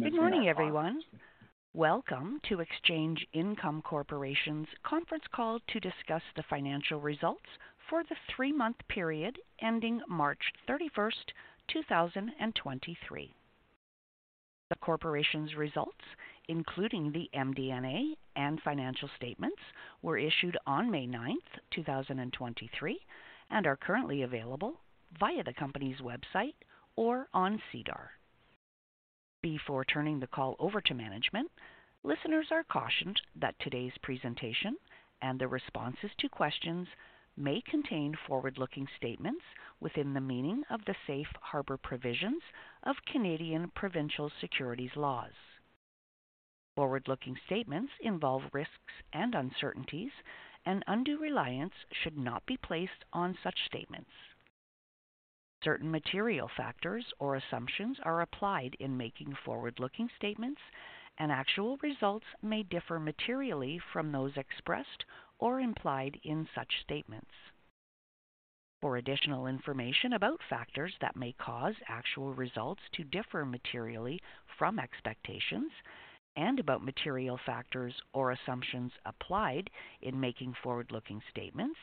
Good morning, everyone. Welcome to Exchange Income Corporation's conference call to discuss the financial results for the three-month period ending March 31st, 2023. The corporation's results, including the MD&A and financial statements, were issued on May 9th, 2023, and are currently available via the company's website or on SEDAR. Before turning the call over to management, listeners are cautioned that today's presentation and the responses to questions may contain forward-looking statements within the meaning of the safe harbor provisions of Canadian provincial securities laws. Forward-looking statements involve risks and uncertainties, and undue reliance should not be placed on such statements. Certain material factors or assumptions are applied in making forward-looking statements, and actual results may differ materially from those expressed or implied in such statements. For additional information about factors that may cause actual results to differ materially from expectations and about material factors or assumptions applied in making forward-looking statements,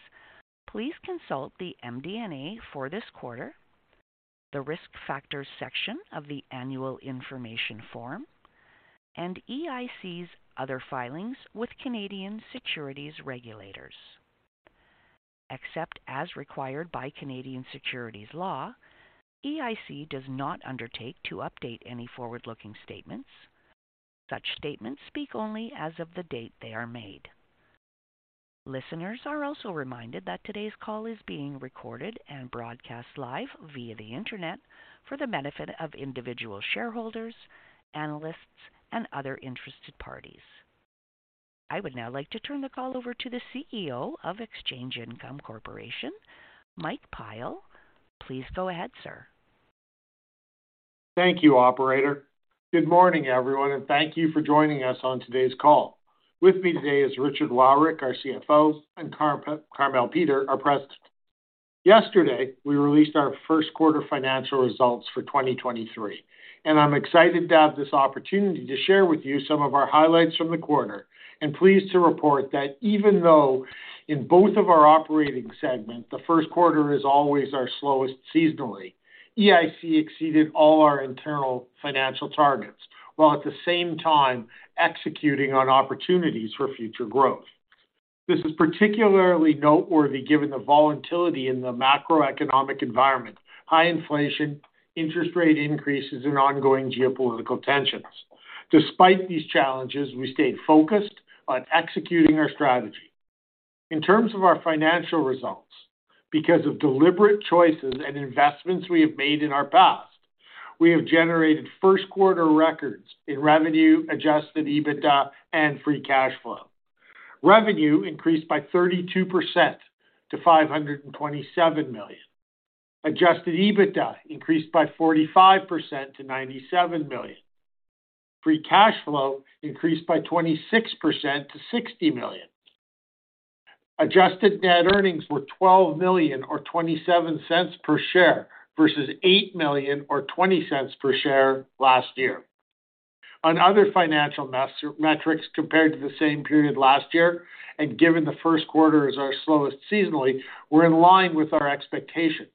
please consult the MD&A for this quarter, the Risk Factors section of the Annual Information Form, and EIC's other filings with Canadian securities regulators. Except as required by Canadian securities law, EIC does not undertake to update any forward-looking statements. Such statements speak only as of the date they are made. Listeners are also reminded that today's call is being recorded and broadcast live via the Internet for the benefit of individual shareholders, analysts, and other interested parties. I would now like to turn the call over to the CEO of Exchange Income Corporation, Mike Pyle. Please go ahead, sir. Thank you, operator. Good morning, everyone. Thank you for joining us on today's call. With me today is Richard Wowryk, our CFO, and Carmele Peter. Yesterday, we released our first quarter financial results for 2023. I'm excited to have this opportunity to share with you some of our highlights from the quarter and pleased to report that even though in both of our operating segments, the first quarter is always our slowest seasonally, EIC exceeded all our internal financial targets while at the same time executing on opportunities for future growth. This is particularly noteworthy given the volatility in the macroeconomic environment, high inflation, interest rate increases, and ongoing geopolitical tensions. Despite these challenges, we stayed focused on executing our strategy. In terms of our financial results, because of deliberate choices and investments we have made in our past, we have generated first quarter records in revenue, adjusted EBITDA, and free cash flow. Revenue increased by 32% to 527 million. Adjusted EBITDA increased by 45% to 97 million. Free cash flow increased by 26% to 60 million. Adjusted net earnings were 12 million or 0.27 per share versus 8 million or 0.20 per share last year. On other financial metrics compared to the same period last year, and given the first quarter is our slowest seasonally, we're in line with our expectations.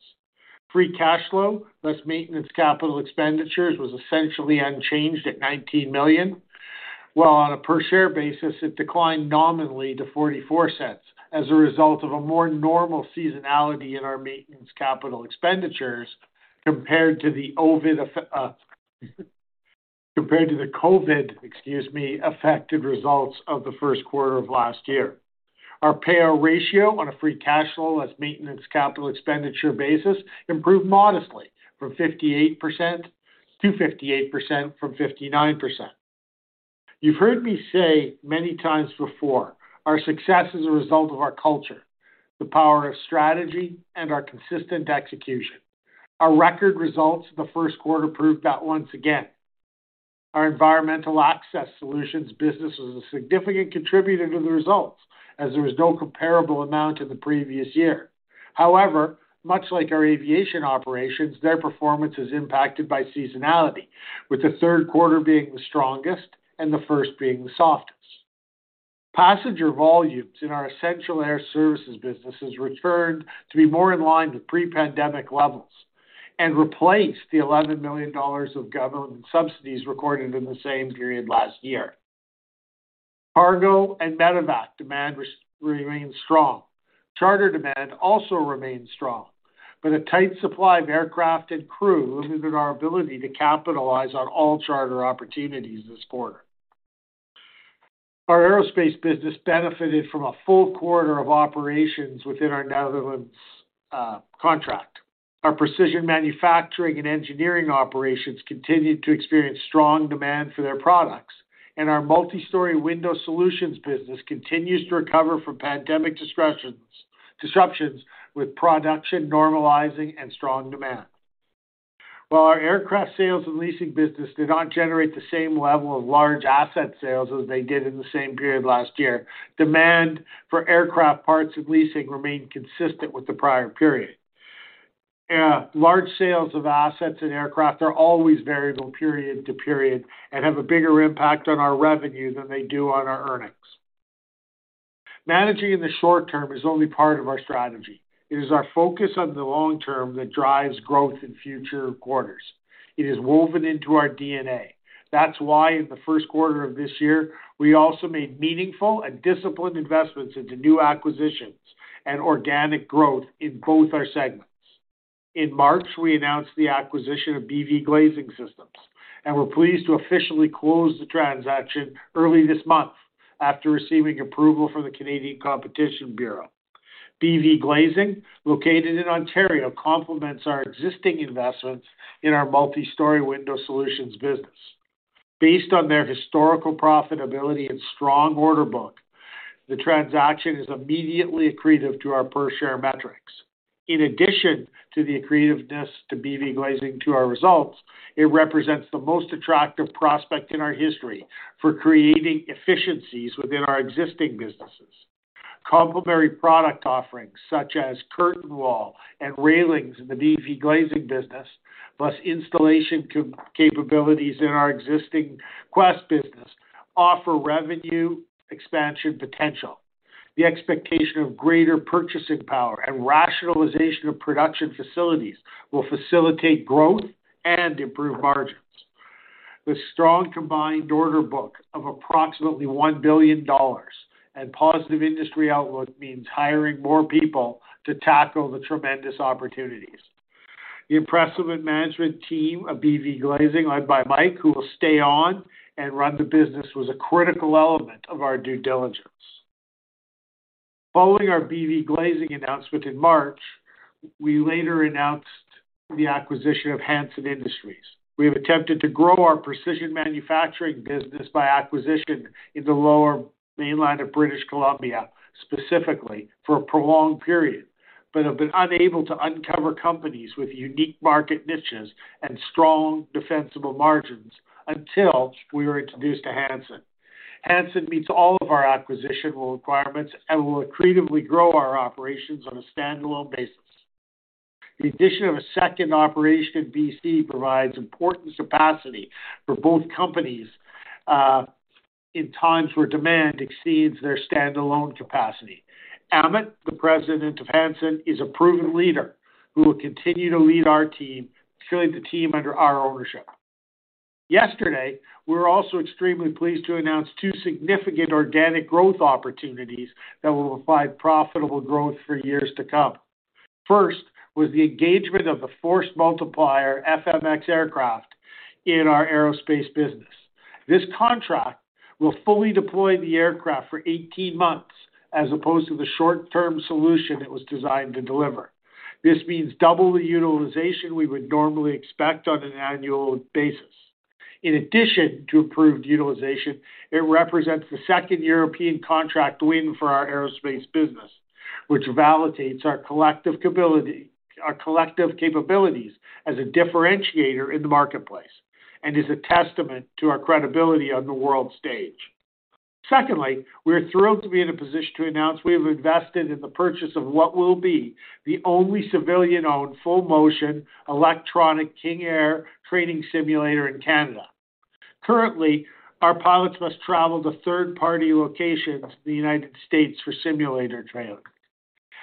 Free cash flow, less maintenance capital expenditures, was essentially unchanged at 19 million, while on a per share basis, it declined nominally to 0.44 as a result of a more normal seasonality in our maintenance capital expenditures compared to the COVID, excuse me, affected results of the first quarter of last year. Our payout ratio on a free cash flow less maintenance capital expenditure basis improved modestly from 58% to 58% from 59%. You've heard me say many times before, our success is a result of our culture, the power of strategy, and our consistent execution. Our record results the first quarter proved that once again. Our Environmental Access Solutions business was a significant contributor to the results as there was no comparable amount in the previous year. Much like our aviation operations, their performance is impacted by seasonality, with the third quarter being the strongest and the first being the softest. Passenger volumes in our Essential Air Services businesses returned to be more in line with pre-pandemic levels replaced the 11 million dollars of government subsidies recorded in the same period last year. Cargo and Medevac demand remains strong. Charter demand also remains strong, a tight supply of aircraft and crew limited our ability to capitalize on all charter opportunities this quarter. Our Aerospace business benefited from a full quarter of operations within our Netherlands contract. Our Precision Manufacturing & Engineering operations continued to experience strong demand for their products, our Multi-Storey Window Solutions business continues to recover from pandemic disruptions with production normalizing and strong demand. While our aircraft sales and leasing business did not generate the same level of large asset sales as they did in the same period last year, demand for aircraft parts of leasing remained consistent with the prior period. Yeah, large sales of assets and aircraft are always variable period to period and have a bigger impact on our revenue than they do on our earnings. Managing in the short term is only part of our strategy. It is our focus on the long term that drives growth in future quarters. It is woven into our DNA. That's why in the first quarter of this year, we also made meaningful and disciplined investments into new acquisitions and organic growth in both our segments. In March, we announced the acquisition of BVGlazing Systems, and we're pleased to officially close the transaction early this month after receiving approval from the Canadian Competition Bureau. BVGlazing, located in Ontario, complements our existing investments in our Multi-Storey Window Solutions business. Based on their historical profitability and strong order book, the transaction is immediately accretive to our per share metrics. In addition to the accretiveness to BVGlazing to our results, it represents the most attractive prospect in our history for creating efficiencies within our existing businesses. Complementary product offerings such as curtain wall and railings in the BVGlazing business, plus installation capabilities in our existing Quest business offer revenue expansion potential. The expectation of greater purchasing power and rationalization of production facilities will facilitate growth and improve margins. The strong combined order book of approximately 1 billion dollars and positive industry outlook means hiring more people to tackle the tremendous opportunities. The impressive management team of BVGlazing, led by Mike, who will stay on and run the business, was a critical element of our due diligence. Following our BVGlazing announcement in March, we later announced the acquisition of Hansen Industries. We have attempted to grow our Precision Manufacturing & Engineering business by acquisition in the Lower Mainland of British Columbia, specifically for a prolonged period, but have been unable to uncover companies with unique market niches and strong defensible margins until we were introduced to Hansen. Hansen meets all of our acquisition requirements and will accretively grow our operations on a standalone basis. The addition of a second operation in BC provides important capacity for both companies, in times where demand exceeds their standalone capacity. Amit, the President of Hansen, is a proven leader who will continue to lead the team under our ownership. Yesterday, we were also extremely pleased to announce two significant organic growth opportunities that will provide profitable growth for years to come. First was the engagement of the Force Multiplier FMX aircraft in our aerospace business. This contract will fully deploy the aircraft for 18 months as opposed to the short-term solution it was designed to deliver. This means double the utilization we would normally expect on an annual basis. In addition to improved utilization, it represents the second European contract win for our aerospace business, which validates our collective capabilities as a differentiator in the marketplace and is a testament to our credibility on the world stage. Secondly, we're thrilled to be in a position to announce we have invested in the purchase of what will be the only civilian-owned full motion electronic King Air training simulator in Canada. Currently, our pilots must travel to third-party locations in the United States for simulator training.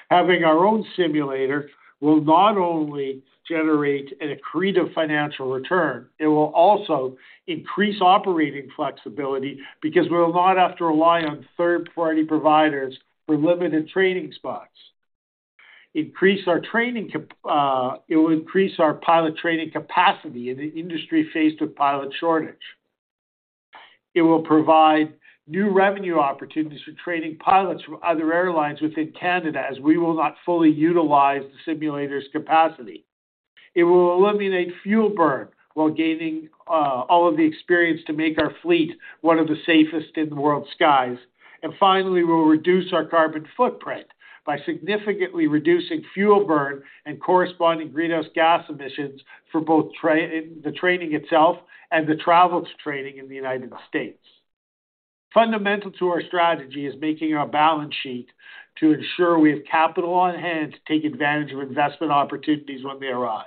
Having our own simulator will not only generate an accretive financial return, it will also increase operating flexibility because we will not have to rely on third-party providers with limited training spots. It will increase our pilot training capacity in an industry faced with pilot shortage. It will provide new revenue opportunities for training pilots from other airlines within Canada, as we will not fully utilize the simulator's capacity. It will eliminate fuel burn while gaining all of the experience to make our fleet one of the safest in the world skies. Finally, we'll reduce our carbon footprint by significantly reducing fuel burn and corresponding greenhouse gas emissions for both the training itself and the travel to training in the United States. Fundamental to our strategy is making our balance sheet to ensure we have capital on hand to take advantage of investment opportunities when they arise.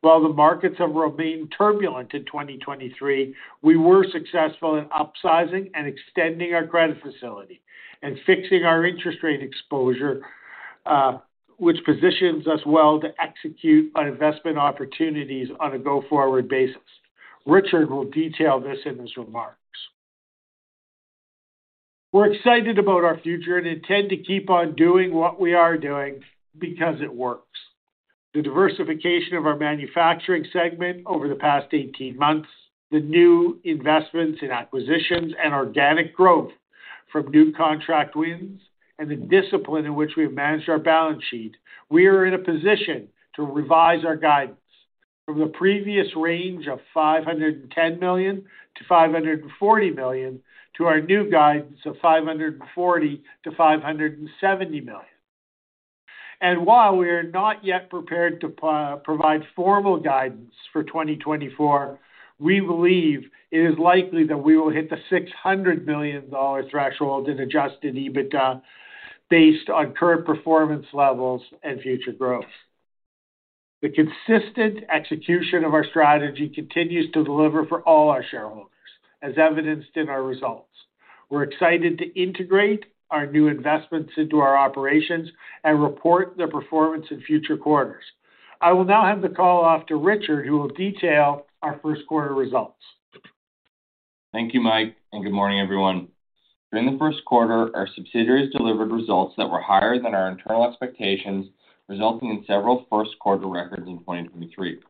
While the markets have remained turbulent in 2023, we were successful in upsizing and extending our credit facility and fixing our interest rate exposure, which positions us well to execute on investment opportunities on a go-forward basis. Richard will detail this in his remarks. We're excited about our future and intend to keep on doing what we are doing because it works. The diversification of our manufacturing segment over the past 18 months, the new investments in acquisitions and organic growth from new contract wins, and the discipline in which we've managed our balance sheet, we are in a position to revise our guidance from the previous range of 510 million to 540 million to our new guidance of 540 million-570 million. While we are not yet prepared to provide formal guidance for 2024, we believe it is likely that we will hit the 600 million dollar threshold in adjusted EBITDA based on current performance levels and future growth. The consistent execution of our strategy continues to deliver for all our shareholders, as evidenced in our results. We're excited to integrate our new investments into our operations and report their performance in future quarters. I will now hand the call off to Richard, who will detail our first quarter results. Thank you, Mike. Good morning, everyone. During the first quarter, our subsidiaries delivered results that were higher than our internal expectations, resulting in several first quarter records in 2023.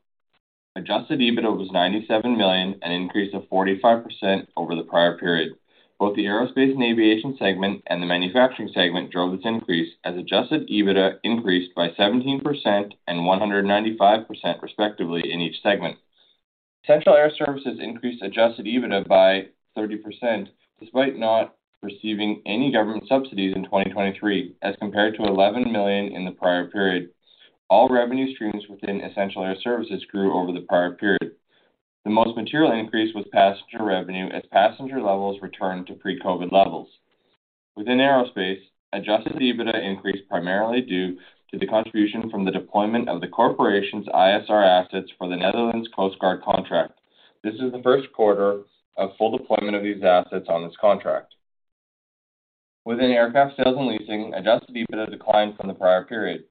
Adjusted EBITDA was 97 million, an increase of 45% over the prior period. Both the Aerospace & Aviation segment and the Manufacturing segment drove this increase as adjusted EBITDA increased by 17% and 195% respectively in each segment. Central Air Services increased adjusted EBITDA by 30%, despite not receiving any government subsidies in 2023 as compared to 11 million in the prior period. All revenue streams within Essential Air Services grew over the prior period. The most material increase was passenger revenue as passenger levels returned to pre-COVID levels. Within Aerospace, adjusted EBITDA increased primarily due to the contribution from the deployment of the corporation's ISR assets for the Netherlands Coast Guard contract. This is the first quarter of full deployment of these assets on this contract. Within Aircraft Sales & Leasing, Adjusted EBITDA declined from the prior period.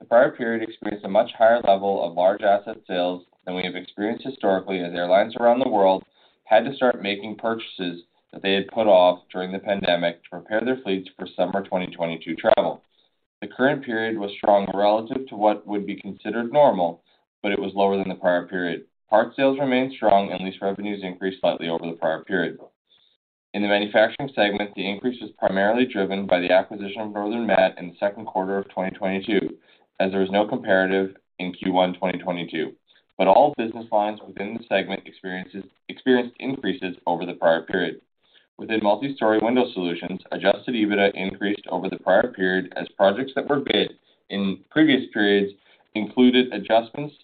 The prior period experienced a much higher level of large asset sales than we have experienced historically, as airlines around the world had to start making purchases that they had put off during the pandemic to prepare their fleets for summer 2022 travel. The current period was stronger relative to what would be considered normal, but it was lower than the prior period. Part sales remained strong and lease revenues increased slightly over the prior period. In the Manufacturing segment, the increase was primarily driven by the acquisition of Northern Mat in the second quarter of 2022, as there was no comparative in Q1 2022. All business lines within the segment experienced increases over the prior period. Within Multi-Storey Window Solutions, adjusted EBITDA increased over the prior period as projects that were bid in previous periods included adjustments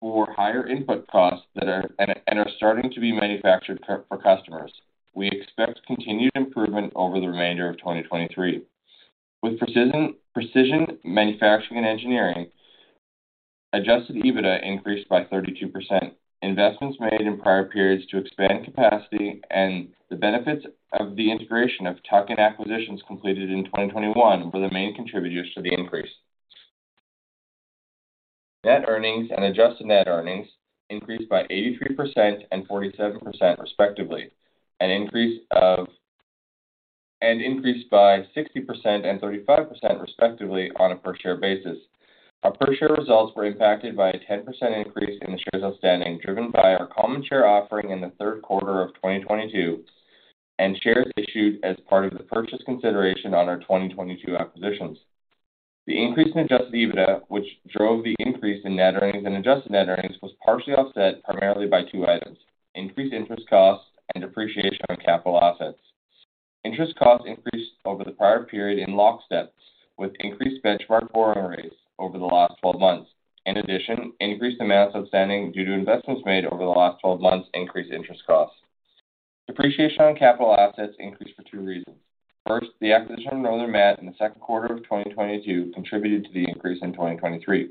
for higher input costs that are and are starting to be manufactured for customers. We expect continued improvement over the remainder of 2023. With Precision Manufacturing & Engineering, adjusted EBITDA increased by 32%. Investments made in prior periods to expand capacity and the benefits of the integration of tuck-in acquisitions completed in 2021 were the main contributors to the increase. Net earnings and adjusted net earnings increased by 83% and 47%, respectively. Increased by 60% and 35%, respectively, on a per-share basis. Our per-share results were impacted by a 10% increase in the shares outstanding, driven by our common share offering in the third quarter of 2022 and shares issued as part of the purchase consideration on our 2022 acquisitions. The increase in adjusted EBITDA, which drove the increase in net earnings and adjusted net earnings, was partially offset primarily by two items: increased interest costs and depreciation on capital assets. Interest costs increased over the prior period in lockstep with increased benchmark borrowing rates over the last 12 months. Increased amounts outstanding due to investments made over the last 12 months increased interest costs. Depreciation on capital assets increased for two reasons. First, the acquisition of Northern Mat in the second quarter of 2022 contributed to the increase in 2023.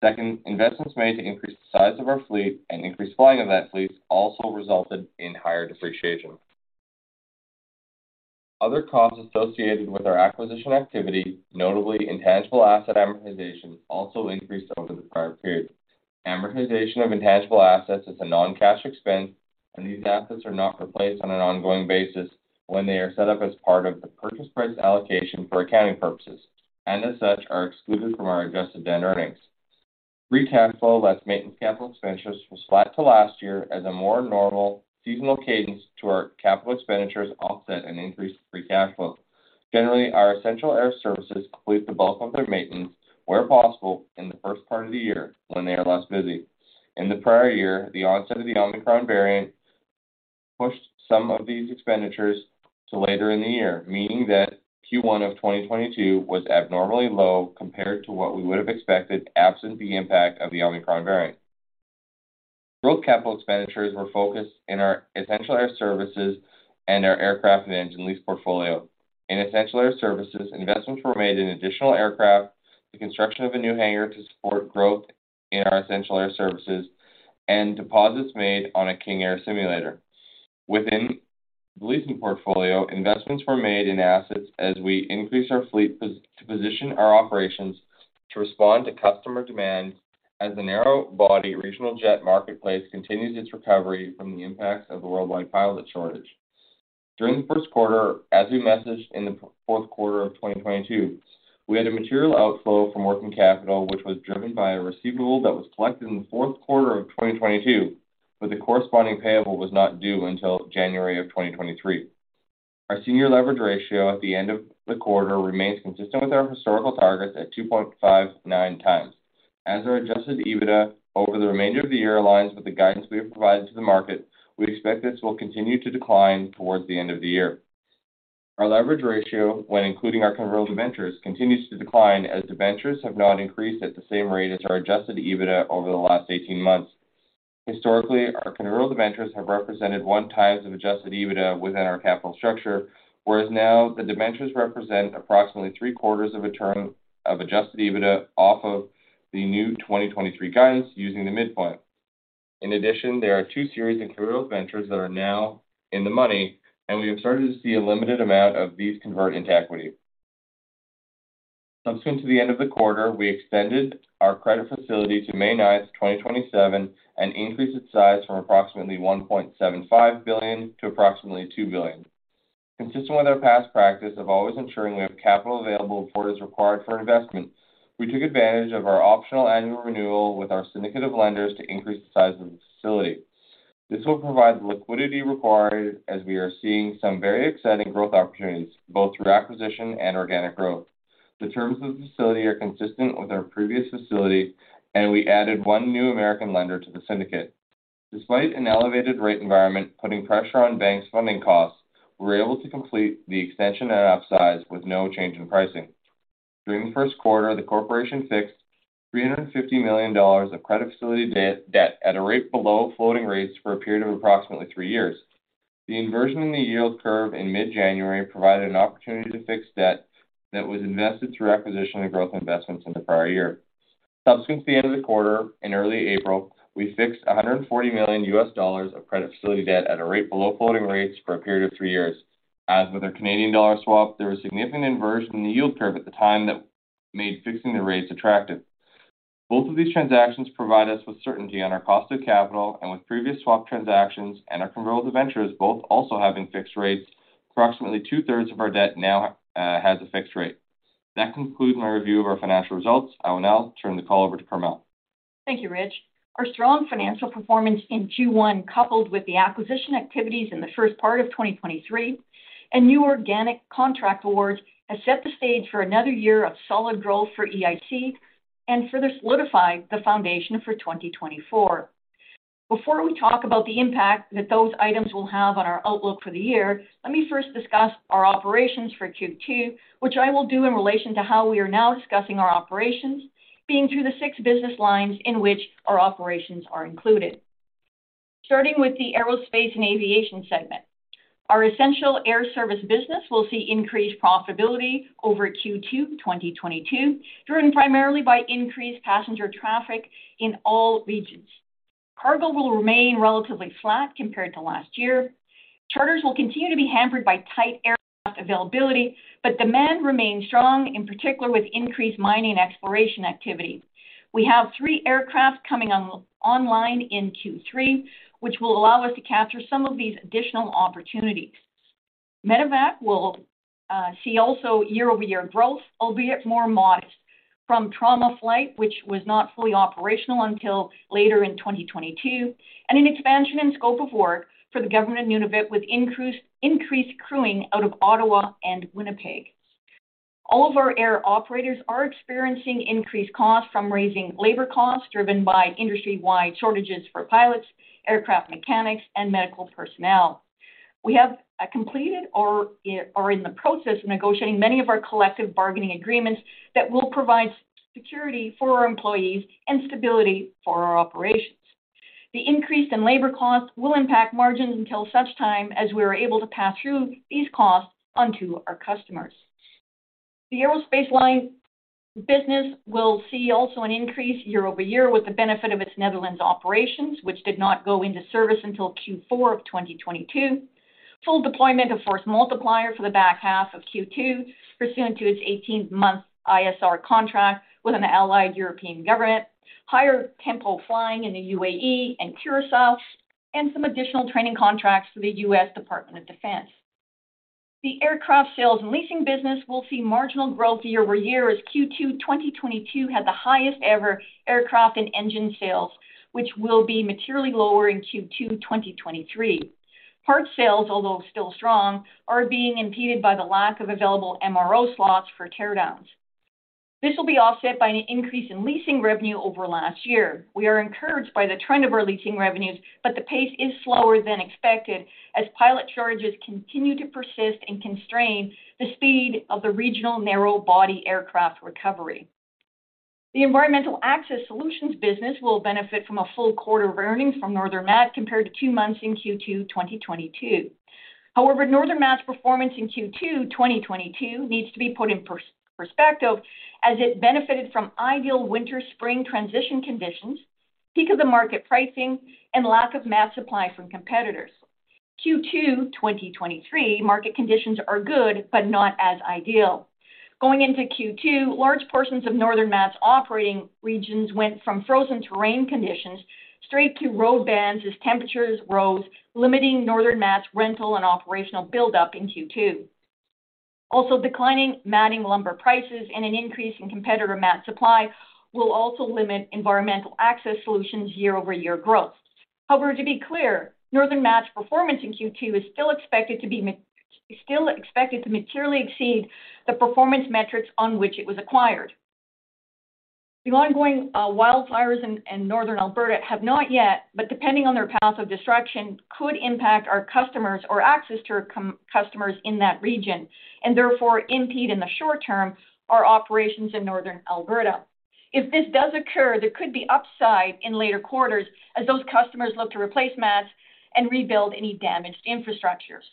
Second, investments made to increase the size of our fleet and increase flying of that fleet also resulted in higher depreciation. Other costs associated with our acquisition activity, notably intangible asset amortization, also increased over the prior period. Amortization of intangible assets is a non-cash expense, and these assets are not replaced on an ongoing basis when they are set up as part of the purchase price allocation for accounting purposes, and as such, are excluded from our adjusted net earnings. Free cash flow less maintenance capital expenditures was flat to last year as a more normal seasonal cadence to our capital expenditures offset an increase in free cash flow. Generally, our Essential Air Services complete the bulk of their maintenance, where possible, in the first part of the year when they are less busy. In the prior year, the onset of the Omicron variant pushed some of these expenditures to later in the year, meaning that Q1 of 2022 was abnormally low compared to what we would have expected absent the impact of the Omicron variant. Growth capital expenditures were focused in our Essential Air Services and our aircraft and engine lease portfolio. In Essential Air Services, investments were made in additional aircraft, the construction of a new hangar to support growth in our Essential Air Services, and deposits made on a King Air simulator. Within the leasing portfolio, investments were made in assets as we increase our fleet to position our operations to respond to customer demand as the narrow body regional jet marketplace continues its recovery from the impacts of the worldwide pilot shortage. During the first quarter, as we messaged in the fourth quarter of 2022, we had a material outflow from working capital, which was driven by a receivable that was collected in the fourth quarter of 2022, the corresponding payable was not due until January of 2023. Our senior leverage ratio at the end of the quarter remains consistent with our historical targets at 2.59x. Our adjusted EBITDA over the remainder of the year aligns with the guidance we have provided to the market, we expect this will continue to decline towards the end of the year. Our leverage ratio, when including our convertible debentures, continues to decline as debentures have not increased at the same rate as our adjusted EBITDA over the last 18 months. Historically, our convertible debentures have represented one times of Adjusted EBITDA within our capital structure, whereas now the debentures represent approximately three-quarters of a term of Adjusted EBITDA off of the new 2023 guidance using the midpoint. There are two series of convertible debentures that are now in the money, and we have started to see a limited amount of these convert into equity. Subsequent to the end of the quarter, we extended our credit facility to May ninth, 2027, and increased its size from approximately 1.75 billion to approximately 2 billion. Consistent with our past practice of always ensuring we have capital available for what is required for investment, we took advantage of our optional annual renewal with our syndicate of lenders to increase the size of the facility. This will provide the liquidity required as we are seeing some very exciting growth opportunities, both through acquisition and organic growth. The terms of the facility are consistent with our previous facility, and we added one new American lender to the syndicate. Despite an elevated rate environment putting pressure on banks' funding costs, we were able to complete the extension and upsize with no change in pricing. During the first quarter, the Corporation fixed 350 million dollars of credit facility debt at a rate below floating rates for a period of approximately three years. The inversion in the yield curve in mid-January provided an opportunity to fix debt that was invested through acquisition and growth investments in the prior year. Subsequent to the end of the quarter, in early April, we fixed $140 million of credit facility debt at a rate below floating rates for a period of three years. As with our Canadian dollar swap, there was significant inversion in the yield curve at the time that made fixing the rates attractive. Both of these transactions provide us with certainty on our cost of capital, and with previous swap transactions and our convertible debentures both also having fixed rates, approximately two-thirds of our debt now has a fixed rate. That concludes my review of our financial results. I will now turn the call over to Carmele. Thank you, Rich. Our strong financial performance in Q1, coupled with the acquisition activities in the first part of 2023 and new organic contract awards, has set the stage for another year of solid growth for EIC and further solidify the foundation for 2024. Before we talk about the impact that those items will have on our outlook for the year, let me first discuss our operations for Q2, which I will do in relation to how we are now discussing our operations, being through the six business lines in which our operations are included. Starting with the Aerospace & Aviation segment. Our Essential Air Services business will see increased profitability over Q2 2022, driven primarily by increased passenger traffic in all regions. Cargo will remain relatively flat compared to last year. Charters will continue to be hampered by tight aircraft availability. Demand remains strong, in particular with increased mining and exploration activity. We have three aircraft coming online in Q3, which will allow us to capture some of these additional opportunities. Medevac will see also year-over-year growth, albeit more modest, from Trauma Flight, which was not fully operational until later in 2022, and an expansion in scope of work for the government of Nunavut with increased crewing out of Ottawa and Winnipeg. All of our air operators are experiencing increased costs from raising labor costs driven by industry-wide shortages for pilots, aircraft mechanics, and medical personnel. We have completed or are in the process of negotiating many of our collective bargaining agreements that will provide security for our employees and stability for our operations. The increase in labor costs will impact margins until such time as we are able to pass through these costs onto our customers. The Aerospace line business will see also an increase year-over-year with the benefit of its Netherlands operations, which did not go into service until Q4 2022. Full deployment of Force Multiplier for the back half of Q2 pursuant to its 18-month ISR contract with an allied European government, higher tempo flying in the UAE and Curaçao, and some additional training contracts for the U.S. Department of Defense. The Aircraft Sales & Leasing business will see marginal growth year-over-year as Q2 2022 had the highest ever aircraft and engine sales, which will be materially lower in Q2 2023. Parts sales, although still strong, are being impeded by the lack of available MRO slots for teardowns. This will be offset by an increase in leasing revenue over last year. We are encouraged by the trend of our leasing revenues, the pace is slower than expected as pilot charges continue to persist and constrain the speed of the regional narrow body aircraft recovery. The Environmental Access Solutions business will benefit from a full quarter of earnings from Northern Mat compared to two months in Q2 2022. Northern Mat's performance in Q2 2022 needs to be put in perspective as it benefited from ideal winter-spring transition conditions, peak of the market pricing, and lack of mat supply from competitors. Q2 2023 market conditions are good not as ideal. Going into Q2, large portions of Northern Mat's operating regions went from frozen terrain conditions straight to road bans as temperatures rose, limiting Northern Mat's rental and operational buildup in Q2. Declining matting lumber prices and an increase in competitor mat supply will also limit Environmental Access Solutions' year-over-year growth. However, to be clear, Northern Mat's performance in Q2 is still expected to materially exceed the performance metrics on which it was acquired. The ongoing wildfires in northern Alberta have not yet, but depending on their path of destruction, could impact our customers or access to our customers in that region and therefore impede in the short term our operations in northern Alberta. If this does occur, there could be upside in later quarters as those customers look to replace mats and rebuild any damaged infrastructures.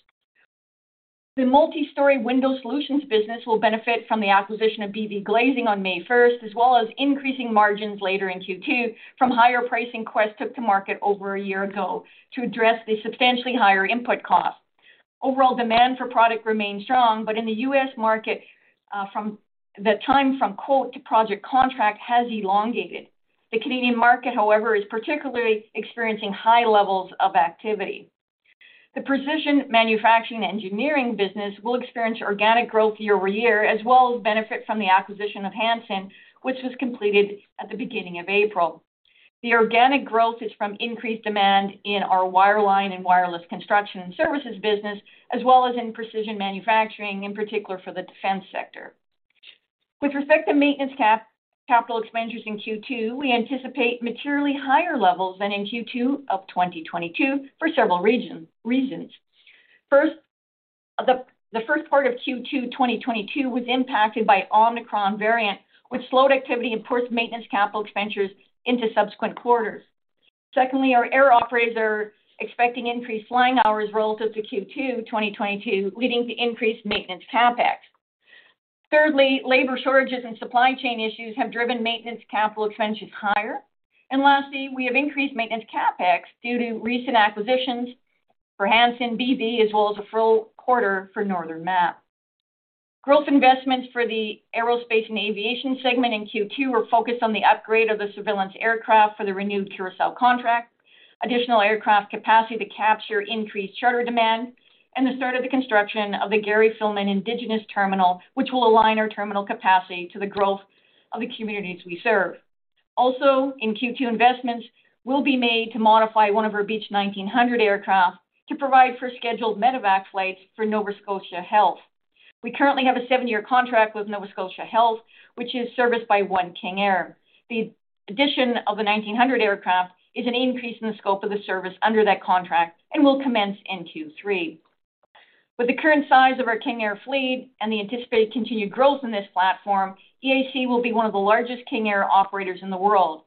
The Multi-Storey Window Solutions business will benefit from the acquisition of BVGlazing on May 1st, as well as increasing margins later in Q2 from higher pricing Quest took to market over a year ago to address the substantially higher input costs. Overall demand for product remains strong, but in the U.S. market, from the time from quote to project contract has elongated. The Canadian market, however, is particularly experiencing high levels of activity. The Precision Manufacturing & Engineering business will experience organic growth year-over-year, as well as benefit from the acquisition of Hansen, which was completed at the beginning of April. The organic growth is from increased demand in our wireline and wireless construction and services business, as well as in Precision Manufacturing, in particular for the defense sector. With respect to maintenance capital expenditures in Q2, we anticipate materially higher levels than in Q2 of 2022 for several reasons. First, the first part of Q2 2022 was impacted by Omicron variant, which slowed activity and pushed maintenance capital expenditures into subsequent quarters. Secondly, our air operators are expecting increased flying hours relative to Q2 2022, leading to increased maintenance CapEx. Thirdly, labor shortages and supply chain issues have driven maintenance capital expenditures higher. Lastly, we have increased maintenance CapEx due to recent acquisitions for Hansen, BV, as well as a full quarter for Northern Mat. Growth investments for the Aerospace & Aviation segment in Q2 are focused on the upgrade of the surveillance aircraft for the renewed Curacao contract, additional aircraft capacity to capture increased charter demand, and the start of the construction of the Gary Filmon Indigenous Terminal, which will align our terminal capacity to the growth of the communities we serve. Also in Q2, investments will be made to modify one of our Beech 1900 aircraft to provide for scheduled medevac flights for Nova Scotia Health. We currently have a 7-year contract with Nova Scotia Health, which is serviced by One King Air. The addition of the 1900 aircraft is an increase in the scope of the service under that contract and will commence in Q3. With the current size of our King Air fleet and the anticipated continued growth in this platform, EIC will be one of the largest King Air operators in the world.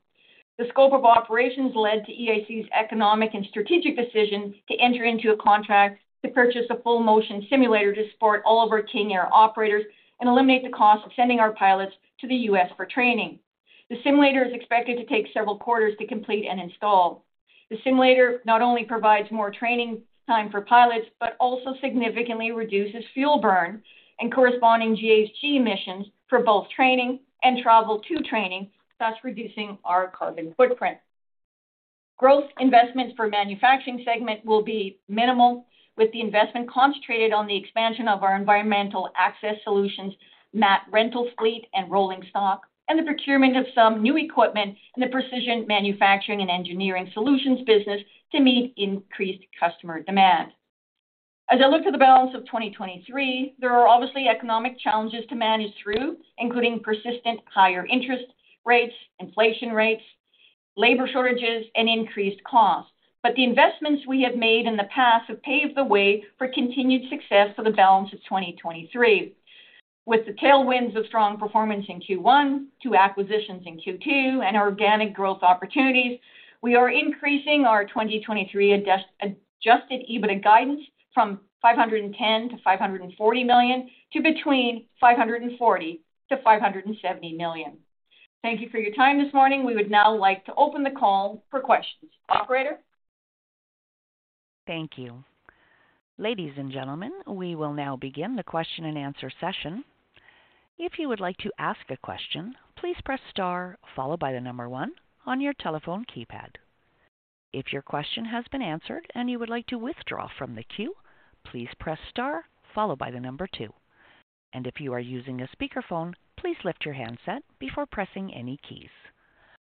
The scope of operations led to EIC's economic and strategic decision to enter into a contract to purchase a full motion simulator to support all of our King Air operators and eliminate the cost of sending our pilots to the U.S. for training. The simulator is expected to take several quarters to complete and install. The simulator not only provides more training time for pilots, but also significantly reduces fuel burn and corresponding GHG emissions for both training and travel to training, thus reducing our carbon footprint. Growth investments for manufacturing segment will be minimal, with the investment concentrated on the expansion of our Environmental Access Solutions, mat rental fleet and rolling stock, and the procurement of some new equipment in the Precision Manufacturing & Engineering solutions business to meet increased customer demand. As I look to the balance of 2023, there are obviously economic challenges to manage through, including persistent higher interest rates, inflation rates, labor shortages, and increased costs. The investments we have made in the past have paved the way for continued success for the balance of 2023. With the tailwinds of strong performance in Q1, 2 acquisitions in Q2, and organic growth opportunities, we are increasing our 2023 Adjusted EBITDA guidance from 510 million-540 million to between 540 million-570 million. Thank you for your time this morning. We would now like to open the call for questions. Operator? Thank you. Ladies and gentlemen, we will now begin the question-and-answer session. If you would like to ask a question, please press star followed by the number one on your telephone keypad. If your question has been answered and you would like to withdraw from the queue, please press star followed by the number two. If you are using a speakerphone, please lift your handset before pressing any keys.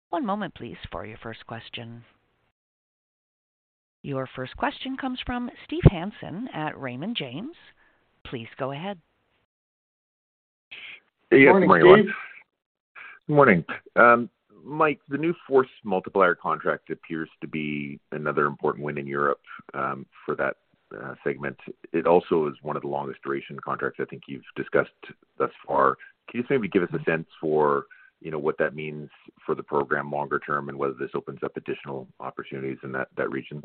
One moment, please, for your first question. Your first question comes from Steve Hansen at Raymond James. Please go ahead. Morning, Steve. Good morning. Mike, the new Force Multiplier contract appears to be another important win in Europe for that segment. It also is one of the longest duration contracts I think you've discussed thus far. Can you maybe give us a sense for, you know, what that means for the program longer term and whether this opens up additional opportunities in that region?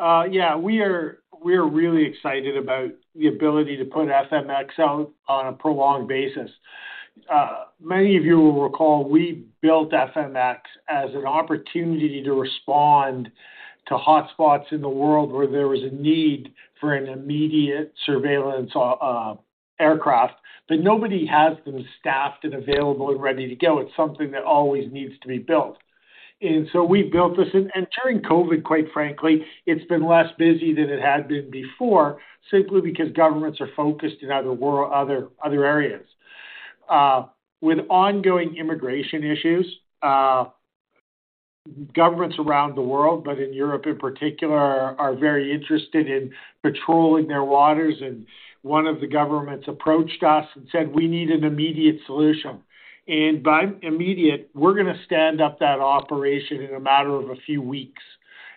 Yeah, we're really excited about the ability to put FMX out on a prolonged basis. Many of you will recall we built FMX as an opportunity to respond to hotspots in the world where there was a need for an immediate surveillance aircraft, but nobody has them staffed and available and ready to go. It's something that always needs to be built. We built this, during COVID, quite frankly, it's been less busy than it had been before, simply because governments are focused in other areas. With ongoing immigration issues, governments around the world, but in Europe in particular, are very interested in patrolling their waters, and one of the governments approached us and said, "We need an immediate solution." By immediate, we're gonna stand up that operation in a matter of a few weeks.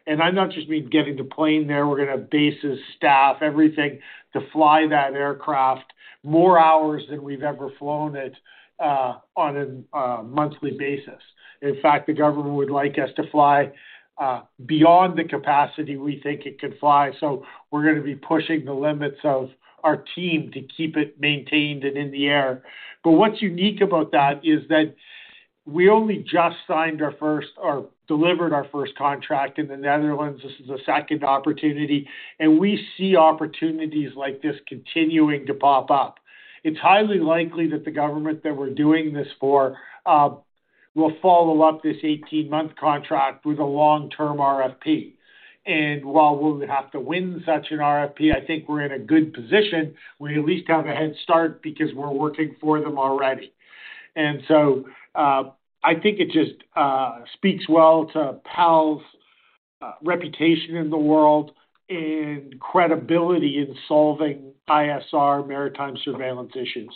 I not just mean getting the plane there. We're gonna basis staff, everything to fly that aircraft more hours than we've ever flown it, on a monthly basis. In fact, the government would like us to fly Beyond the capacity we think it could fly. We're gonna be pushing the limits of our team to keep it maintained and in the air. What's unique about that is that we only just signed our first or delivered our first contract in the Netherlands. This is the second opportunity, and we see opportunities like this continuing to pop up. It's highly likely that the government that we're doing this for, will follow up this 18-month contract with a long-term RFP. While we would have to win such an RFP, I think we're in a good position. We at least have a head start because we're working for them already. I think it just speaks well to PAL's reputation in the world and credibility in solving ISR maritime surveillance issues.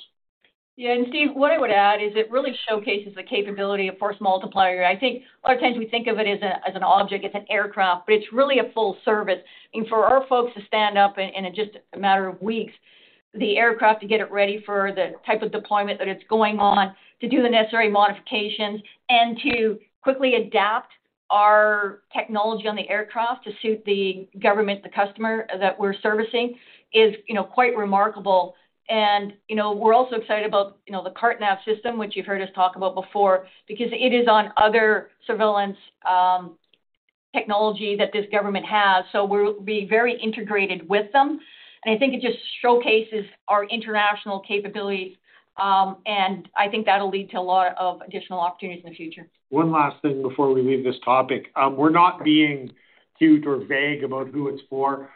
Yeah. Steve, what I would add is it really showcases the capability of Force Multiplier. I think a lot of times we think of it as a, as an object, as an aircraft, but it's really a full service. For our folks to stand up in a, just a matter of weeks, the aircraft to get it ready for the type of deployment that it's going on, to do the necessary modifications, and to quickly adapt our technology on the aircraft to suit the government, the customer that we're servicing is, you know, quite remarkable. You know, we're also excited about, you know, the CarteNav system, which you've heard us talk about before, because it is on other surveillance technology that this government has. We're be very integrated with them. I think it just showcases our international capabilities. I think that'll lead to a lot of additional opportunities in the future. One last thing before we leave this topic. We're not being huge or vague about who it's for.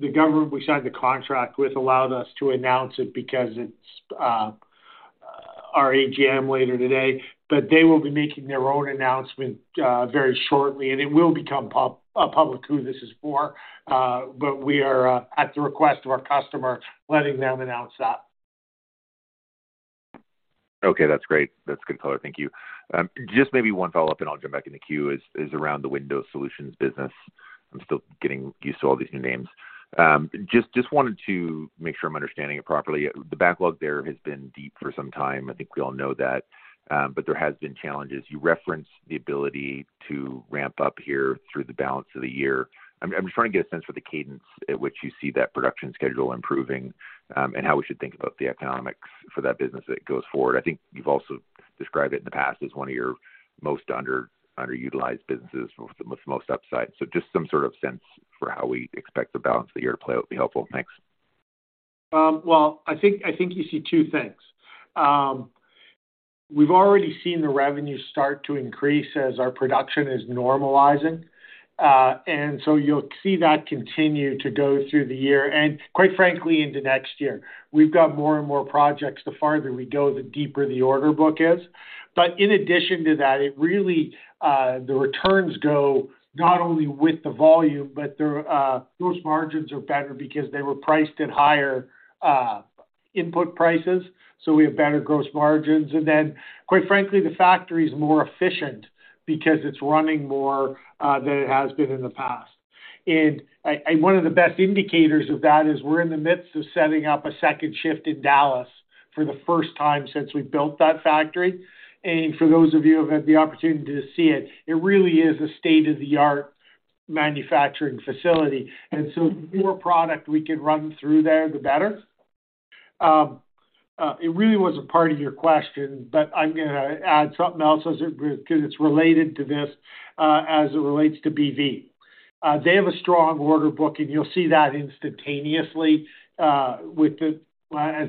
The government we signed the contract with allowed us to announce it because it's our AGM later today. They will be making their own announcement very shortly, and it will become public who this is for. We are, at the request of our customer, letting them announce that. Okay, that's great. That's good color. Thank you. Just maybe one follow-up, and I'll jump back in the queue, is around the windows solutions business. I'm still getting used to all these new names. Just wanted to make sure I'm understanding it properly. The backlog there has been deep for some time. I think we all know that. But there has been challenges. You referenced the ability to ramp up here through the balance of the year. I'm just trying to get a sense for the cadence at which you see that production schedule improving, and how we should think about the economics for that business as it goes forward. I think you've also described it in the past as one of your most underutilized businesses with the most upside. Just some sort of sense for how we expect the balance of the year to play out would be helpful. Thanks. Well, I think you see two things. We've already seen the revenue start to increase as our production is normalizing. You'll see that continue to go through the year and quite frankly, into next year. We've got more and more projects. The farther we go, the deeper the order book is. In addition to that, it really, the returns go not only with the volume, but those margins are better because they were priced at higher input prices, so we have better gross margins. Quite frankly, the factory is more efficient because it's running more than it has been in the past. And one of the best indicators of that is we're in the midst of setting up a second shift in Dallas for the first time since we built that factory. For those of you who have had the opportunity to see it really is a state-of-the-art manufacturing facility. The more product we can run through there, the better. It really wasn't part of your question, but I'm gonna add something else because it's related to this, as it relates to BV. They have a strong order book, and you'll see that instantaneously, as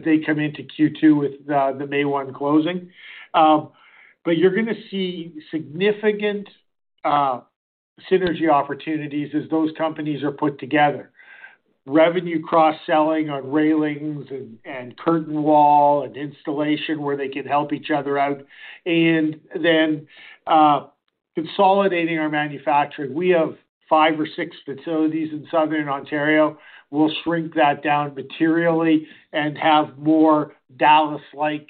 they come into Q2 with the May 1 closing. You're gonna see significant synergy opportunities as those companies are put together. Revenue cross-selling on railings and curtain wall and installation where they can help each other out. Then, consolidating our manufacturing. We have 5 or 6 facilities in Southern Ontario. We'll shrink that down materially and have more Dallas-like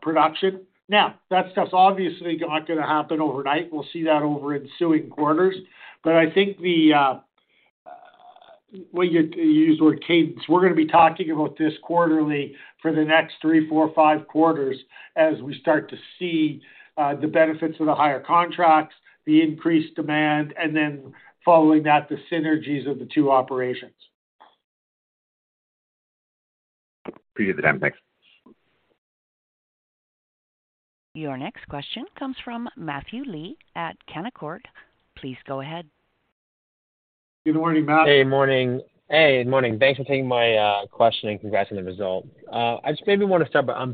production. That stuff's obviously not gonna happen overnight. We'll see that over ensuing quarters. I think the, well you used the word cadence. We're gonna be talking about this quarterly for the next three, four, five quarters as we start to see the benefits of the higher contracts, the increased demand, and then following that, the synergies of the two operations. Appreciate the time. Thanks. Your next question comes from Matthew Lee at Canaccord. Please go ahead. Good morning, Matt. Hey. Morning. Hey. Good morning. Thanks for taking my question. Congrats on the result. I just maybe want to start by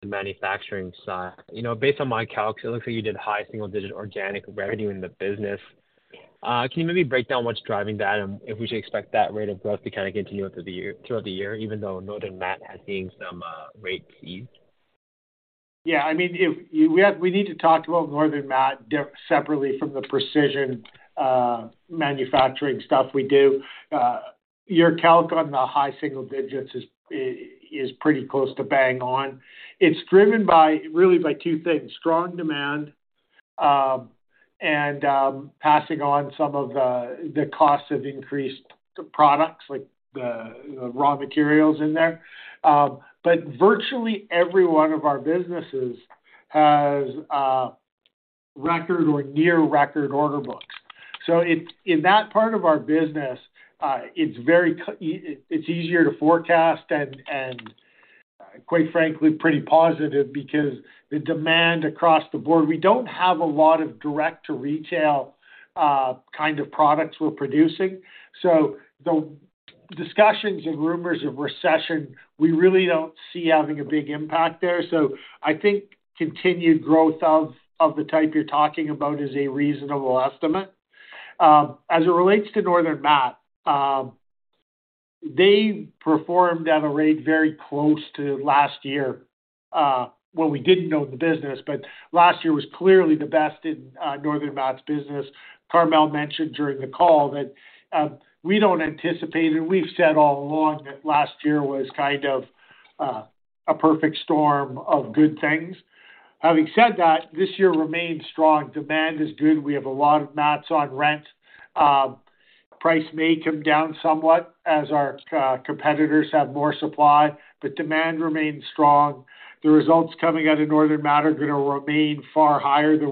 the manufacturing side. You know, based on my calc, it looks like you did high single digit organic revenue in the business. Can you maybe break down what's driving that and if we should expect that rate of growth to kind of continue throughout the year, even though Northern Mat has seen some rate ease? Yeah, I mean, we need to talk about Northern Mat separately from the precision manufacturing stuff we do. Your calc on the high single digits is pretty close to bang on. It's driven by really by two things, strong demand, and passing on some of the costs of increased products like the raw materials in there. Virtually every one of our businesses has a record or near record order books. In that part of our business, it's easier to forecast and quite frankly, pretty positive because the demand across the board. We don't have a lot of direct to retail kind of products we're producing. The discussions and rumors of recession, we really don't see having a big impact there. I think continued growth of the type you're talking about is a reasonable estimate. As it relates to Northern Mat, they performed at a rate very close to last year when we didn't own the business. Last year was clearly the best in Northern Mat's business. Carmele mentioned during the call that we don't anticipate, and we've said all along that last year was kind of a perfect storm of good things. Having said that, this year remains strong. Demand is good. We have a lot of mats on rent. Price may come down somewhat as our competitors have more supply, but demand remains strong. The results coming out of Northern Mat are gonna remain far higher than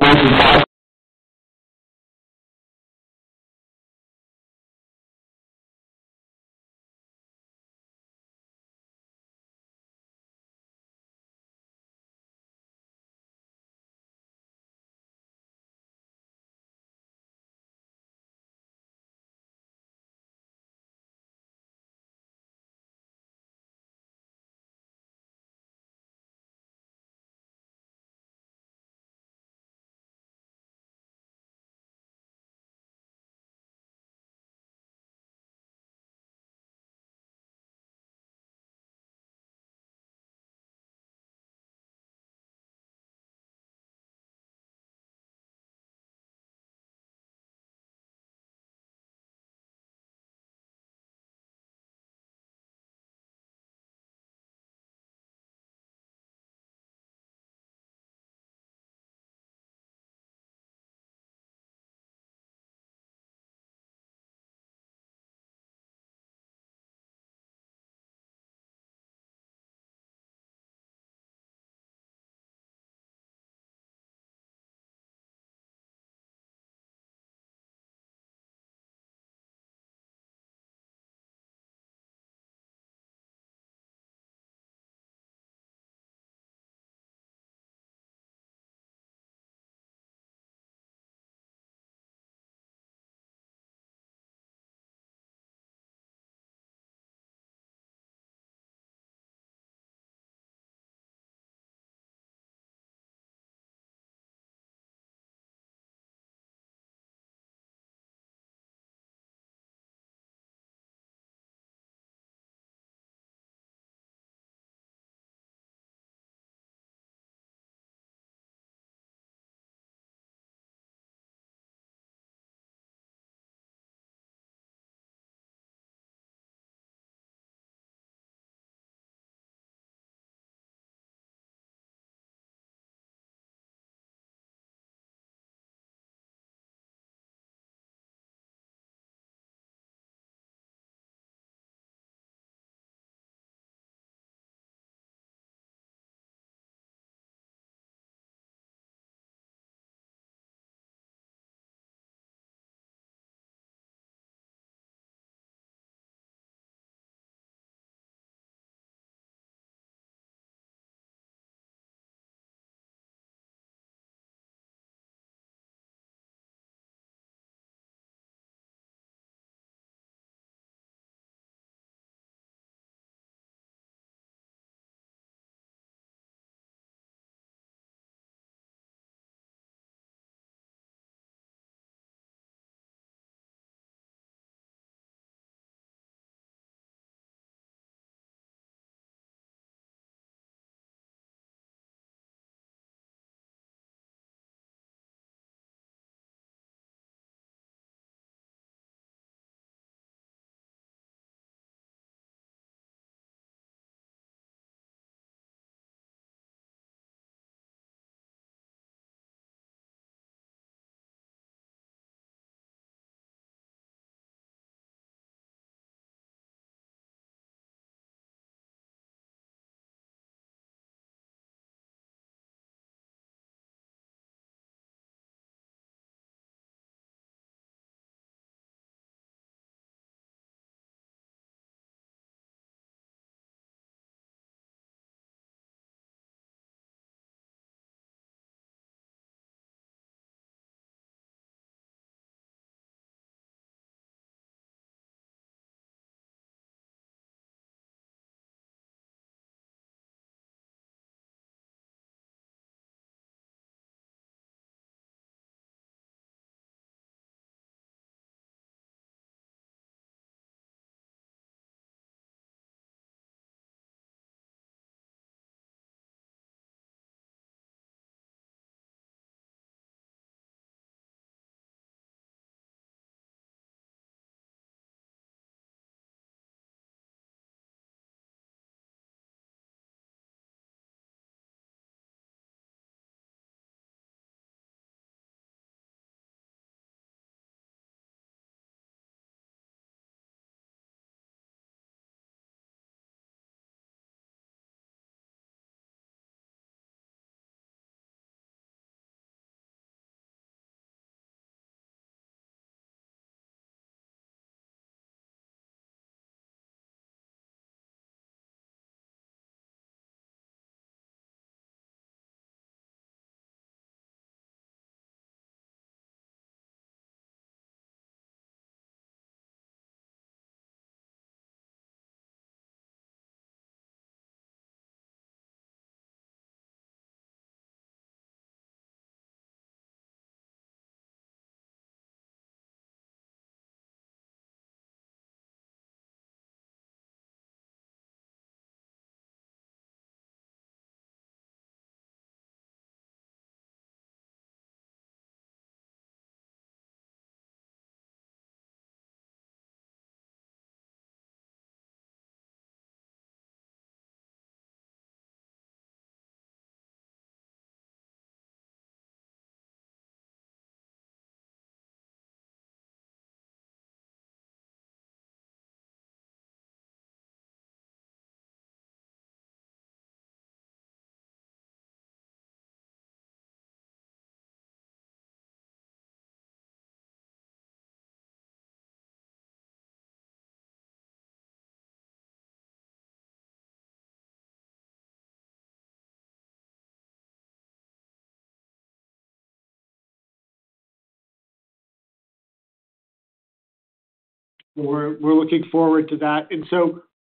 we're looking forward to that.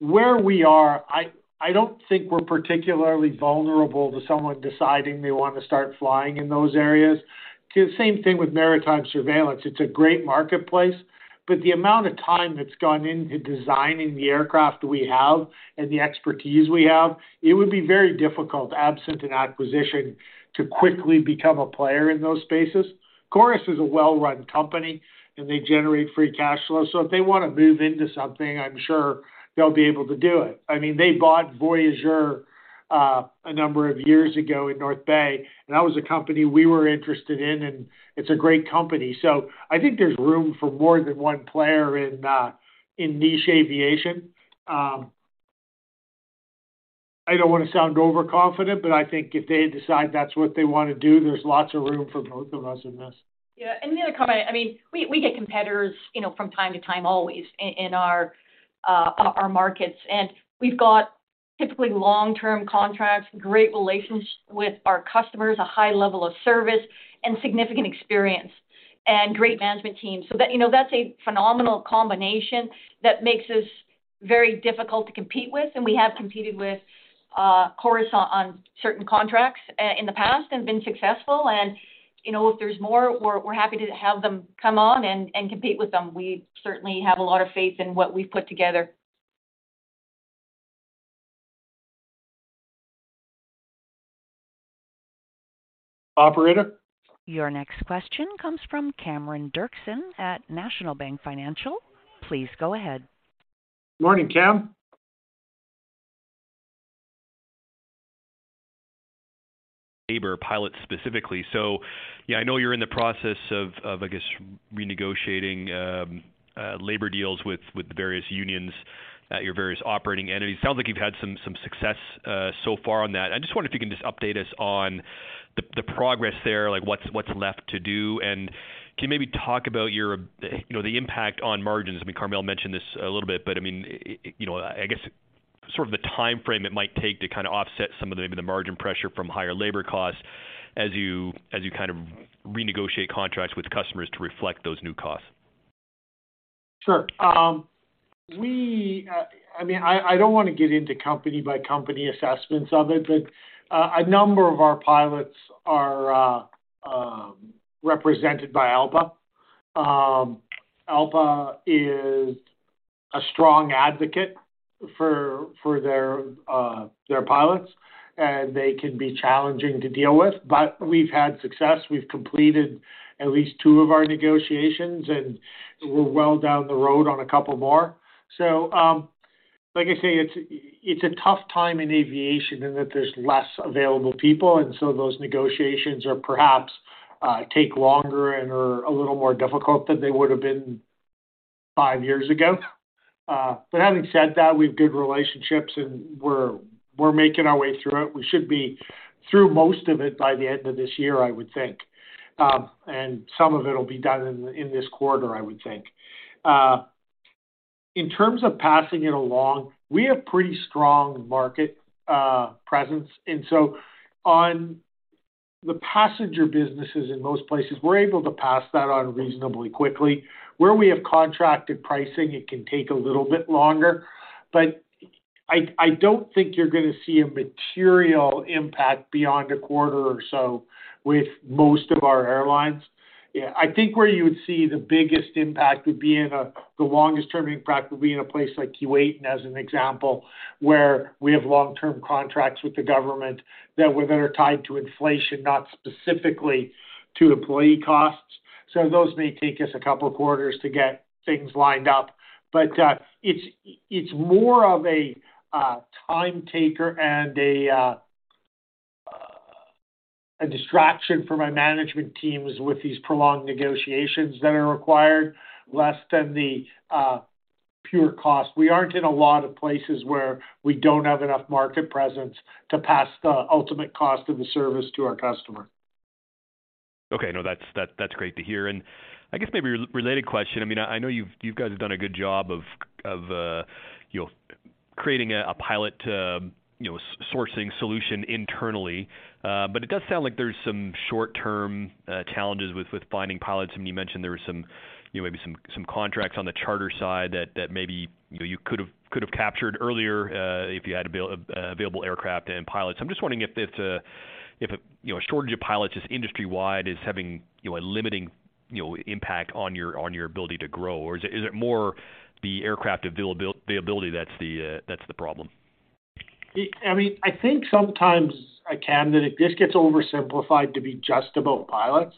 Where we are, I don't think we're particularly vulnerable to someone deciding they want to start flying in those areas. To the same thing with maritime surveillance. It's a great marketplace, but the amount of time that's gone into designing the aircraft we have and the expertise we have, it would be very difficult, absent an acquisition, to quickly become a player in those spaces. Chorus is a well-run company, and they generate free cash flow. If they wanna move into something, I'm sure they'll be able to do it. I mean, they bought Voyageur, a number of years ago in North Bay, and that was a company we were interested in, and it's a great company. I think there's room for more than one player in niche aviation. I don't wanna sound overconfident, but I think if they decide that's what they wanna do, there's lots of room for both of us in this. Yeah. The other comment, I mean, we get competitors, you know, from time to time, always in our markets. We've got typically long-term contracts, great relationsh- with our customers, a high level of service and significant experience and great management teams. That, you know, that's a phenomenal combination that makes us very difficult to compete with. We have competed with Chorus on certain contracts in the past and been successful. You know, if there's more, we're happy to have them come on and compete with them. We certainly have a lot of faith in what we've put together. Operator. Your next question comes from Cameron Doerksen at National Bank Financial. Please go ahead. Morning, Cam. Labor pilots specifically. Yeah, I know you're in the process of, I guess, renegotiating labor deals with the various unions at your various operating entities. Sounds like you've had some success so far on that. I just wonder if you can just update us on the progress there, like what's left to do. Can you maybe talk about your, you know, the impact on margins? I mean, Carmele mentioned this a little bit, but, I mean, you know, I guess sort of the timeframe it might take to kinda offset some of the maybe the margin pressure from higher labor costs as you kind of renegotiate contracts with customers to reflect those new costs. Sure. We, I mean, I don't wanna get into company by company assessments of it, but a number of our pilots are represented by ALPA. ALPA is a strong advocate for their pilots, and they can be challenging to deal with. We've had success. We've completed at least 2 of our negotiations, and we're well down the road on a couple more. Like I say, it's a tough time in aviation and that there's less available people, and so those negotiations are perhaps take longer and are a little more difficult than they would have been 5 years ago. Having said that, we have good relationships, and we're making our way through it. We should be through most of it by the end of this year, I would think. Some of it will be done in this quarter, I would think. In terms of passing it along, we have pretty strong market presence. On the passenger businesses in most places, we're able to pass that on reasonably quickly. Where we have contracted pricing, it can take a little bit longer. I don't think you're gonna see a material impact beyond a quarter or so with most of our airlines. I think where you would see the biggest impact would be the longest-term impact would be in a place like Kuwait, and as an example, where we have long-term contracts with the government that we're then are tied to inflation, not specifically to employee costs. Those may take us a couple of quarters to get things lined up. It's more of a time taker and a distraction for my management teams with these prolonged negotiations that are required less than the pure cost. We aren't in a lot of places where we don't have enough market presence to pass the ultimate cost of the service to our customer. Okay. No, that's great to hear. I guess maybe a related question. I mean, I know you've, you guys have done a good job of, you know, creating a pilot to, you know, sourcing solution internally. It does sound like there's some short-term challenges with finding pilots. I mean, you mentioned there were some, you know, maybe some contracts on the charter side that maybe, you know, you could've captured earlier, if you had available aircraft and pilots. I'm just wondering if, if, you know, a shortage of pilots just industry-wide is having, you know, a limiting, you know, impact on your, on your ability to grow, or is it, is it more the aircraft availability that's the, that's the problem? I mean, I think sometimes, Cam, that it just gets oversimplified to be just about pilots.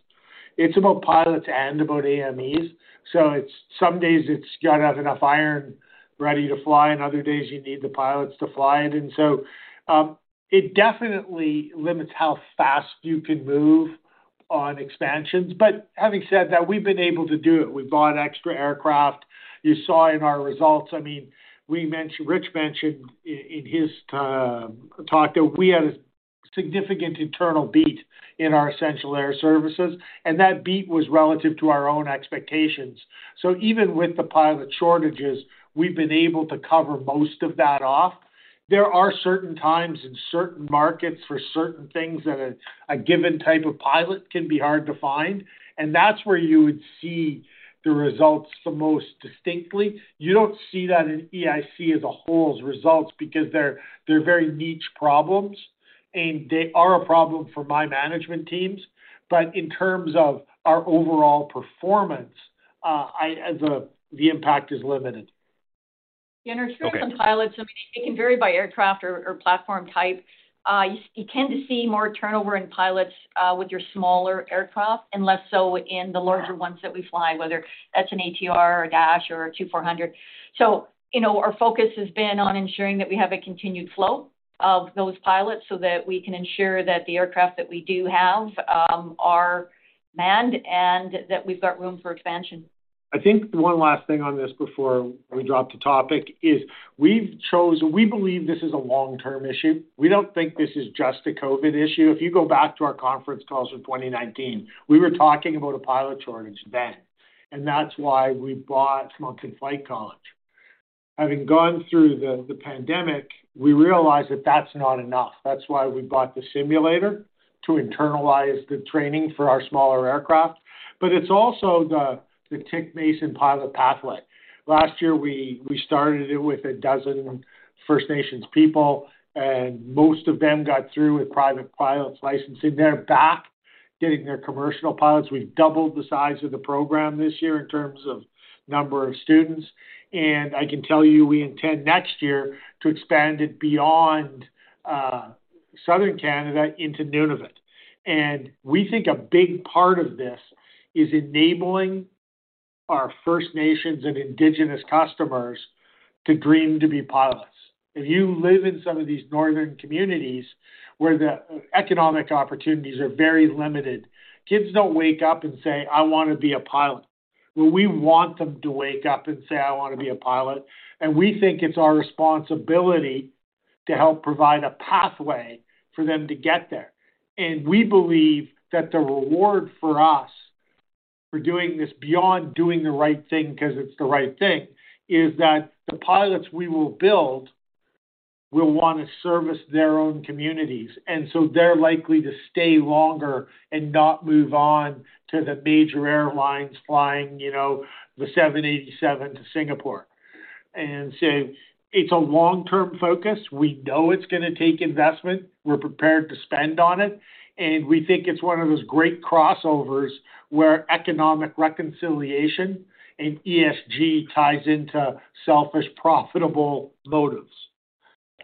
It's about pilots and about AMEs. Some days it's gotta have enough iron ready to fly, and other days you need the pilots to fly it. It definitely limits how fast you can move on expansions. Having said that, we've been able to do it. We've bought extra aircraft. You saw in our results, I mean, we mentioned, Rich mentioned in his talk that we had a significant internal beat in our Essential Air Services, and that beat was relative to our own expectations. Even with the pilot shortages, we've been able to cover most of that off. There are certain times in certain markets for certain things that a given type of pilot can be hard to find. That's where you would see the results the most distinctly. You don't see that in EIC as a whole results because they're very niche problems. They are a problem for my management teams. In terms of our overall performance, the impact is limited. There's some pilots, I mean, it can vary by aircraft or platform type. You tend to see more turnover in pilots with your smaller aircraft and less so in the larger ones that we fly, whether that's an ATR or a Dash or a 2400. You know, our focus has been on ensuring that we have a continued flow of those pilots so that we can ensure that the aircraft that we do have are manned and that we've got room for expansion. I think one last thing on this before we drop the topic is we believe this is a long-term issue. We don't think this is just a COVID issue. If you go back to our conference calls from 2019, we were talking about a pilot shortage then. That's why we bought Moncton Flight College. Having gone through the pandemic, we realized that that's not enough. That's why we bought the simulator to internalize the training for our smaller aircraft. It's also the Atik Mason Indigenous Pilot Pathway. Last year, we started it with 12 First Nations people, and most of them got through with private pilots licensing. They're back getting their commercial pilots. We've doubled the size of the program this year in terms of number of students. I can tell you we intend next year to expand it beyond southern Canada into Nunavut. We think a big part of this is enabling our First Nations and Indigenous customers to dream to be pilots. If you live in some of these northern communities where the economic opportunities are very limited, kids don't wake up and say, "I wanna be a pilot." Well, we want them to wake up and say, "I wanna be a pilot." We think it's our responsibility to help provide a pathway for them to get there. We believe that the reward for us for doing this beyond doing the right thing because it's the right thing, is that the pilots we will build will wanna service their own communities. They're likely to stay longer and not move on to the major airlines flying, you know, the 787 to Singapore. It's a long-term focus. We know it's gonna take investment. We're prepared to spend on it, and we think it's one of those great crossovers where economic reconciliation and ESG ties into selfish, profitable motives.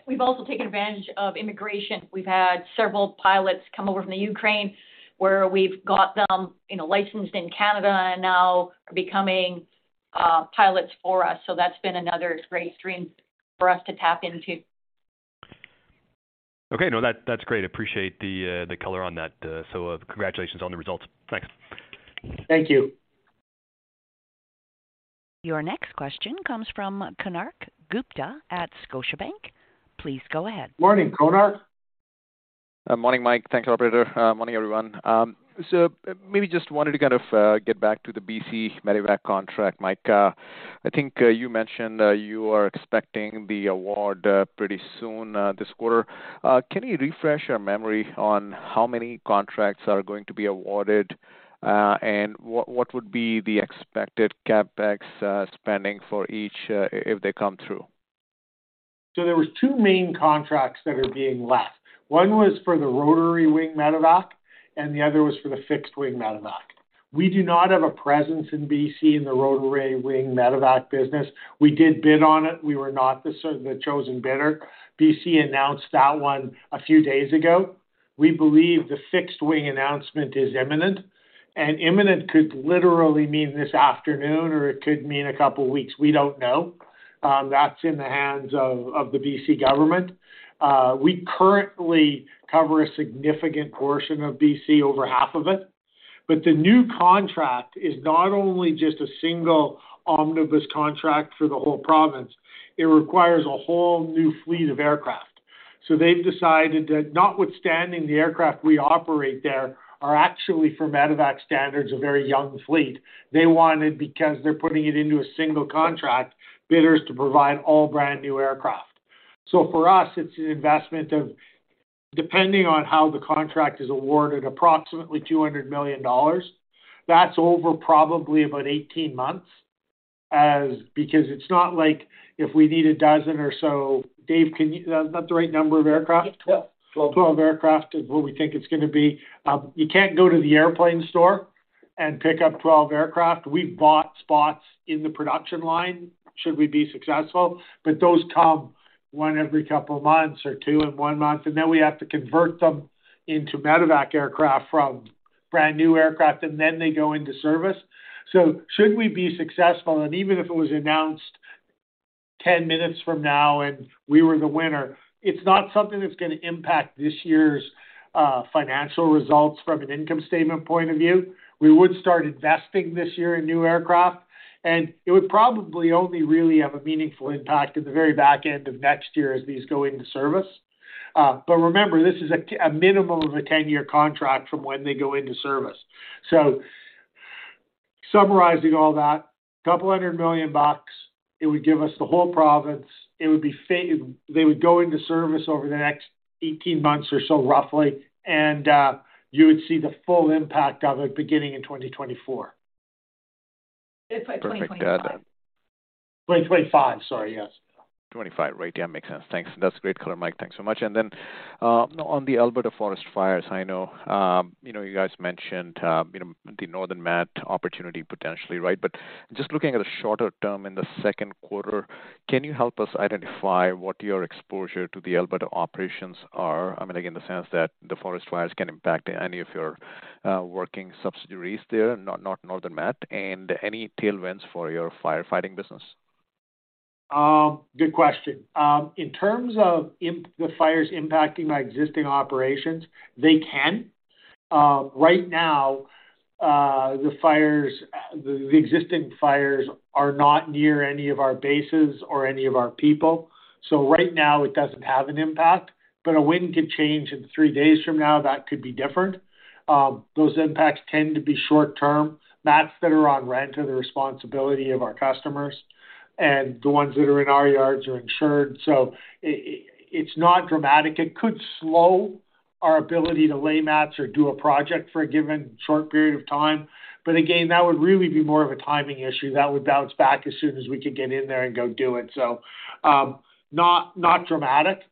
We've also taken advantage of immigration. We've had several pilots come over from the Ukraine where we've got them, you know, licensed in Canada and now are becoming pilots for us. That's been another great stream for us to tap into. Okay. No, that's great. Appreciate the color on that. Congratulations on the results. Thanks. Thank you. Your next question comes from Konark Gupta at Scotiabank. Please go ahead. Morning, Konark. Morning, Mike. Thank you, operator. Morning, everyone. Maybe just wanted to kind of get back to the BC Medevac contract, Mike. I think you mentioned you are expecting the award pretty soon this quarter. Can you refresh our memory on how many contracts are going to be awarded and what would be the expected CapEx spending for each if they come through? There was 2 main contracts that are being let. One was for the rotary wing Medevac, and the other was for the fixed wing Medevac. We do not have a presence in B.C. in the rotary wing Medevac business. We did bid on it. We were not the chosen bidder. B.C. announced that one a few days ago. We believe the fixed wing announcement is imminent. And imminent could literally mean this afternoon, or it could mean a couple of weeks. We don't know. That's in the hands of the B.C. government. We currently cover a significant portion of B.C., over half of it. The new contract is not only just a single omnibus contract for the whole province, it requires a whole new fleet of aircraft. They've decided that notwithstanding the aircraft we operate there are actually for medevac standards, a very young fleet. They wanted because they're putting it into a single contract, bidders to provide all brand-new aircraft. For us, it's an investment of, depending on how the contract is awarded, approximately 200 million dollars. That's over probably about 18 months because it's not like if we need a dozen or so. Dave, can you, is that the right number of aircraft? Yeah 12 aircraft is what we think it's gonna be. You can't go to the airplane store and pick up 12 aircraft. We bought spots in the production line, should we be successful. Those come one every couple of months or two in one month, and then we have to convert them into medevac aircraft from brand-new aircraft, and then they go into service. Should we be successful, even if it was announced 10 minutes from now and we were the winner, it's not something that's gonna impact this year's financial results from an income statement point of view. We would start investing this year in new aircraft, and it would probably only really have a meaningful impact at the very back end of next year as these go into service. Remember, this is a 10-year contract from when they go into service. Summarizing all that, couple hundred million CAD, it would give us the whole province. They would go into service over the next 18 months or so, roughly, and you would see the full impact of it beginning in 2024. It's 2025. 2025. Sorry, yes. 2025. Right. Yeah, makes sense. Thanks. That's great color, Mike. Thanks so much. On the Alberta forest fires, I know, you know, you guys mentioned, you know, the Northern Mat opportunity potentially, right? Just looking at the shorter term in the second quarter, can you help us identify what your exposure to the Alberta operations are? I mean, again, in the sense that the forest fires can impact any of your working subsidiaries there, not Northern Mat, and any tailwinds for your firefighting business. Good question. In terms of the fires impacting my existing operations, they can. Right now, the fires, the existing fires are not near any of our bases or any of our people. Right now, it doesn't have an impact, but a wind could change in three days from now, that could be different. Those impacts tend to be short-term. Mats that are on rent are the responsibility of our customers, and the ones that are in our yards are insured. It's not dramatic. It could slow our ability to lay mats or do a project for a given short period of time. Again, that would really be more of a timing issue, that would bounce back as soon as we could get in there and go do it. Not dramatic,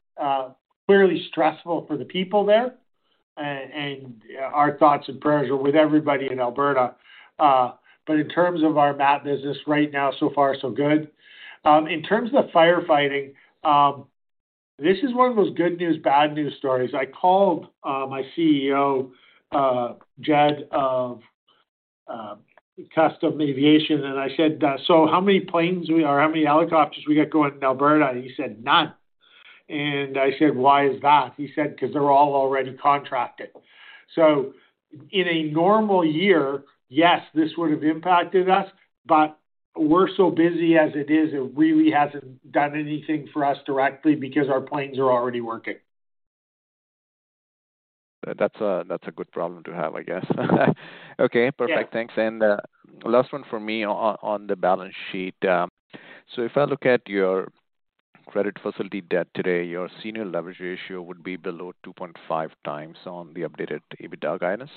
clearly stressful for the people there. Our thoughts and prayers are with everybody in Alberta. In terms of our mat business right now, so far, so good. In terms of the firefighting, this is 1 of those good news, bad news stories. I called my CEO, Jed of Custom Helicopters, and I said, "So how many planes or how many helicopters we got going in Alberta?" He said, "None." I said, "Why is that?" He said, "Because they're all already contracted." In a normal year, yes, this would have impacted us, but we're so busy as it is, it really hasn't done anything for us directly because our planes are already working. That's a good problem to have, I guess. Okay. Yeah. Perfect. Thanks. Last one for me on the balance sheet. If I look at your credit facility debt today, your senior leverage ratio would be below 2.5x on the updated EBITDA guidance.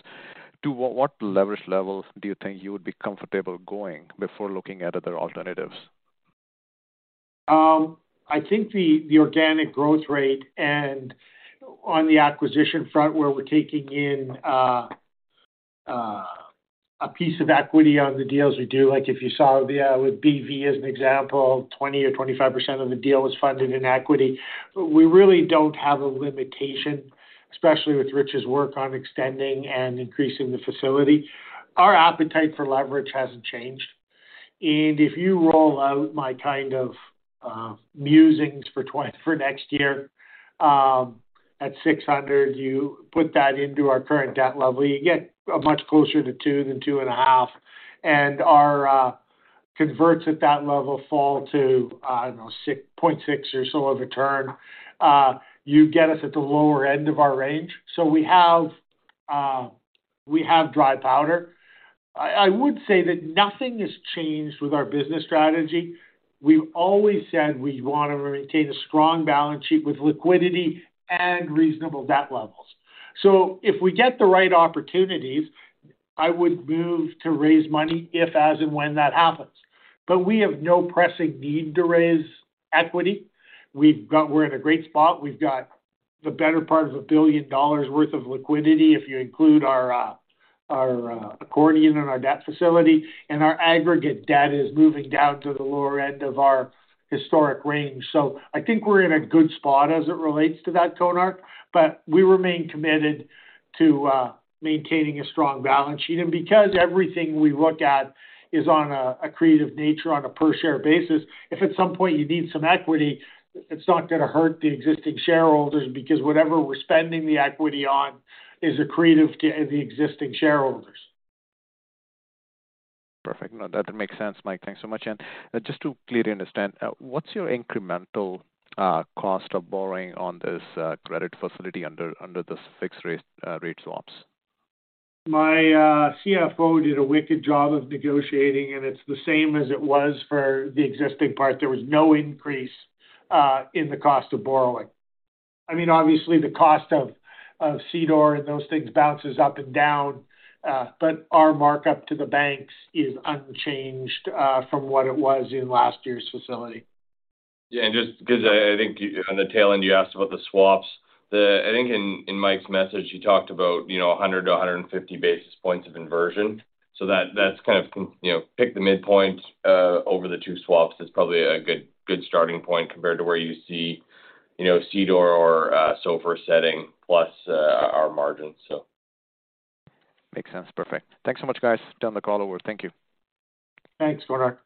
To what leverage levels do you think you would be comfortable going before looking at other alternatives? I think the organic growth rate and on the acquisition front where we're taking in a piece of equity on the deals we do, like if you saw with BV as an example, 20% or 25% of the deal is funded in equity. We really don't have a limitation, especially with Rich's work on extending and increasing the facility. Our appetite for leverage hasn't changed. If you roll out my kind of musings for next year, at 600 million, you put that into our current debt level, you get a much closer to 2 than 2.5. Our converts at that level fall to, I don't kno 0.6 or so of a turn. You get us at the lower end of our range. We have dry powder. I would say that nothing has changed with our business strategy. We've always said we want to maintain a strong balance sheet with liquidity and reasonable debt levels. If we get the right opportunities, I would move to raise money if, as, and when that happens. We have no pressing need to raise equity. We're in a great spot. We've got the better part of 1 billion dollars worth of liquidity, if you include our accordion and our debt facility and our aggregate debt is moving down to the lower end of our historic range. I think we're in a good spot as it relates to that, Konark, but we remain committed to maintaining a strong balance sheet. Because everything we look at is on a creative nature on a per share basis, if at some point you need some equity, it's not gonna hurt the existing shareholders because whatever we're spending the equity on is accretive to the existing shareholders. Perfect. No, that makes sense, Mike, thanks so much. Just to clearly understand, what's your incremental cost of borrowing on this credit facility under this fixed rate swaps? My CFO did a wicked job of negotiating, and it's the same as it was for the existing part. There was no increase in the cost of borrowing. I mean, obviously the cost of CDOR and those things bounces up and down. Our markup to the banks is unchanged from what it was in last year's facility. Yeah. Just 'cause I think on the tail end, you asked about the swaps. I think in Mike's message, he talked about, you know, 100 to 150 basis points of inversion. You know, pick the midpoint, over the two swaps is probably a good starting point compared to where you see, you know, CDOR or SOFR setting plus our margins. Makes sense. Perfect. Thanks so much, guys. Done the call over. Thank you. Thanks, Konark.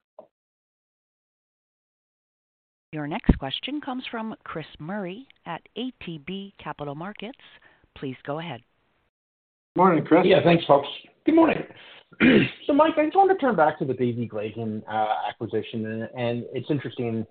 Your next question comes from Chris Murray at ATB Capital Markets. Please go ahead. Morning, Chris. Thanks, folks. Good morning. Mike, I just wanted to turn back to the BVGlazing acquisition. It's interesting,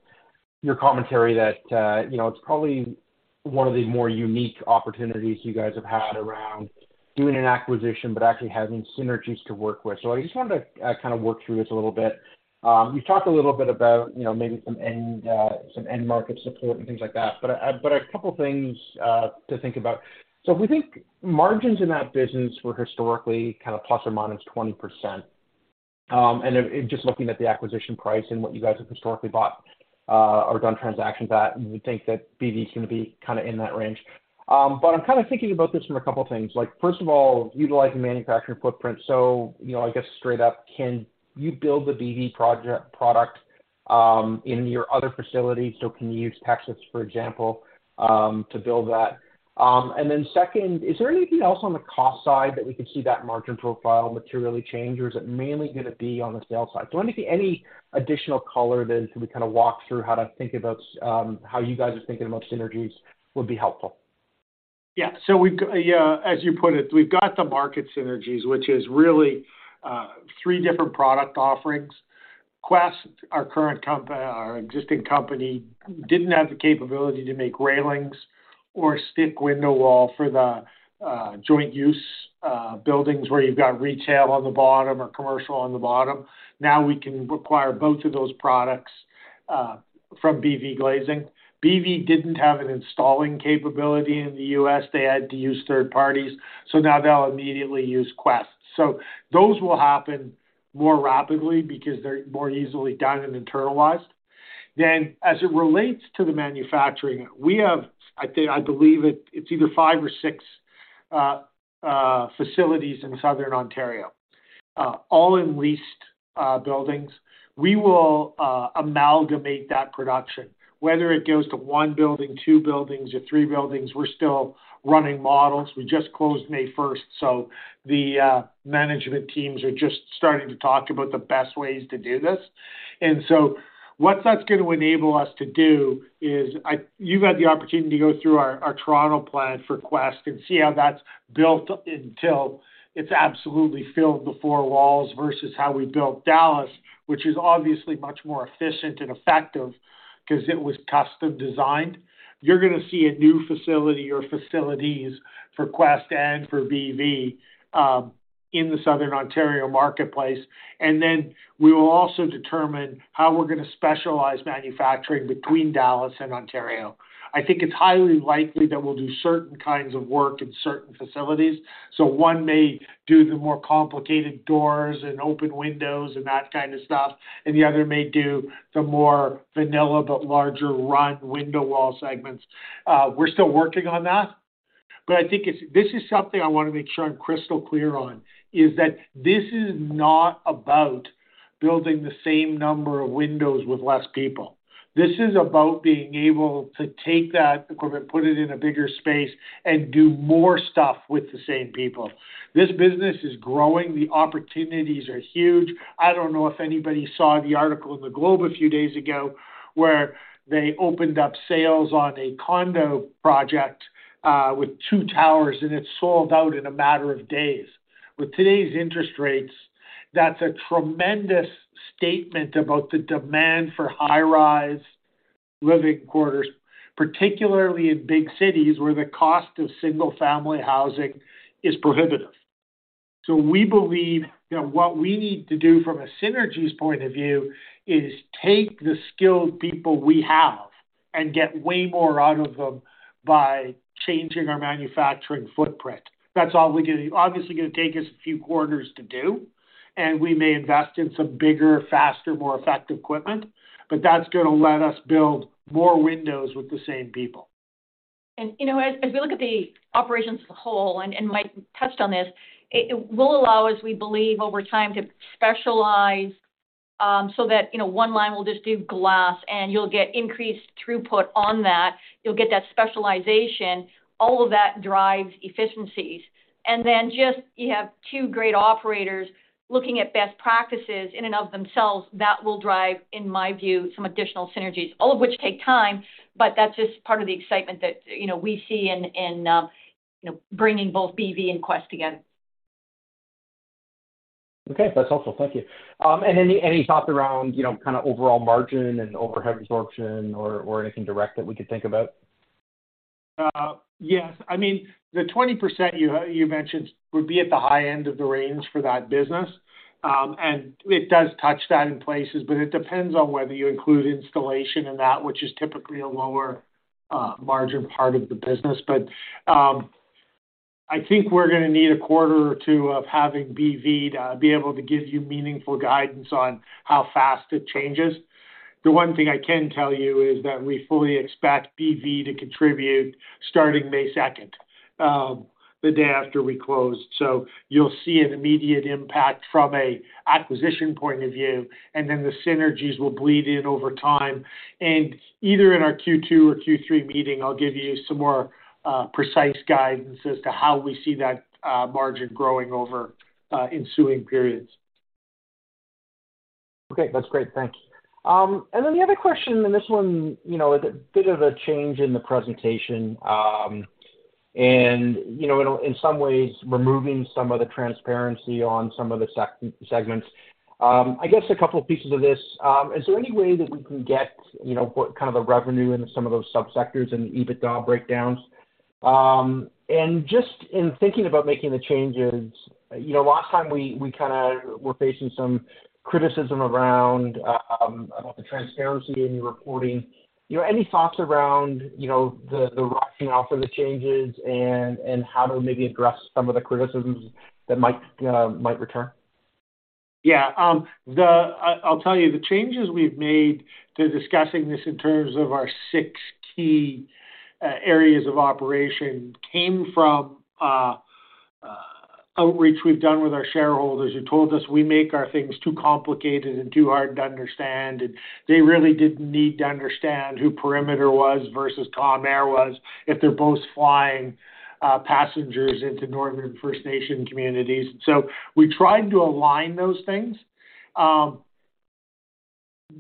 your commentary that, you know, it's probably one of the more unique opportunities you guys have had around doing an acquisition but actually having synergies to work with. I just wanted to kind of work through this a little bit. You've talked a little bit about, you know, maybe some end market support and things like that, but a couple of things to think about. If we think margins in that business were historically kind of plus or minus 20%. Just looking at the acquisition price and what you guys have historically bought or done transactions at, you would think that BV is gonna be kinda in that range. I'm kinda thinking about this from a couple of things. Like first of all, utilizing manufacturing footprint. You know, I guess straight up, can you build the BV product in your other facilities? Can you use Texas, for example, to build that? Then second, is there anything else on the cost side that we could see that margin profile materially change, or is it mainly gonna be on the sales side? Anything, any additional color then, can we kinda walk through how to think about how you guys are thinking about synergies would be helpful. Yeah. As you put it, we've got the market synergies, which is really three different product offerings. Quest, our existing company, didn't have the capability to make railings or stick window wall for the joint use buildings where you've got retail on the bottom or commercial on the bottom. Now we can require both of those products from BVGlazing. BV didn't have an installing capability in the U.S. They had to use third parties, now they'll immediately use Quest. Those will happen more rapidly because they're more easily done and internalized. As it relates to the manufacturing, we have, it's either five or six facilities in Southern Ontario, all in leased buildings. We will amalgamate that production, whether it goes to one building, two buildings or three buildings, we're still running models. We just closed May first, so the management teams are just starting to talk about the best ways to do this. What that's gonna enable us to do is you've had the opportunity to go through our Toronto plant for Quest and see how that's built until it's absolutely filled the four walls versus how we built Dallas, which is obviously much more efficient and effective 'cause it was custom designed. You're gonna see a new facility or facilities for Quest and for BV in the Southern Ontario marketplace. Then we will also determine how we're gonna specialize manufacturing between Dallas and Ontario. I think it's highly likely that we'll do certain kinds of work in certain facilities. One may do the more complicated doors and open windows and that kind of stuff, and the other may do the more vanilla but larger run window wall segments. We're still working on that, I think This is something I wanna make sure I'm crystal clear on, is that this is not about building the same number of windows with less people. This is about being able to take that equipment, put it in a bigger space, and do more stuff with the same people. This business is growing. The opportunities are huge. I don't know if anybody saw the article in The Globe a few days ago where they opened up sales on a condo project, with 2 towers, and it sold out in a matter of days. With today's interest rates, that's a tremendous statement about the demand for high-rise living quarters, particularly in big cities where the cost of single-family housing is prohibitive. We believe that what we need to do from a synergies point of view is take the skilled people we have and get way more out of them by changing our manufacturing footprint. Obviously, it's gonna take us a few quarters to do, and we may invest in some bigger, faster, more effective equipment, but that's gonna let us build more windows with the same people. You know, as we look at the operations as a whole, and Mike touched on this, it will allow us, we believe over time, to specialize, so that, you know, one line will just do glass and you'll get increased throughput on that. You'll get that specialization. All of that drives efficiencies. Then just you have two great operators looking at best practices in and of themselves that will drive, in my view, some additional synergies. All of which take time, but that's just part of the excitement that, you know, we see in, you know, bringing both BV and Quest together. Okay. That's helpful. Thank you. Any thoughts around, you know, kind of overall margin and overhead absorption or anything direct that we could think about? Yes. I mean, the 20% you mentioned would be at the high end of the range for that business. It does touch that in places, but it depends on whether you include installation in that, which is typically a lower margin part of the business. I think we're gonna need a quarter or two of having BV to be able to give you meaningful guidance on how fast it changes. The one thing I can tell you is that we fully expect BV to contribute starting May 2, the day after we closed. You'll see an immediate impact from an acquisition point of view, and then the synergies will bleed in over time. Either in our Q2 or Q3 meeting, I'll give you some more precise guidance as to how we see that margin growing over ensuing periods. Okay. That's great. Thank you. Then the other question, and this one, you know, a bit of a change in the presentation, and, you know, in some ways removing some of the transparency on some of the segments. I guess a couple of pieces of this. Is there any way that we can get, you know, what kind of the revenue in some of those subsectors and EBITDA breakdowns? Just in thinking about making the changes, you know, last time we kinda were facing some criticism around about the transparency in your reporting. You know, any thoughts around, you know, the rocking off of the changes and how to maybe address some of the criticisms that might might return? Yeah. I'll tell you, the changes we've made to discussing this in terms of our 6 key areas of operation came from outreach we've done with our shareholders who told us we make our things too complicated and too hard to understand. They really didn't need to understand who Perimeter was versus Calm Air was if they're both flying passengers into Northern First Nation communities. We tried to align those things.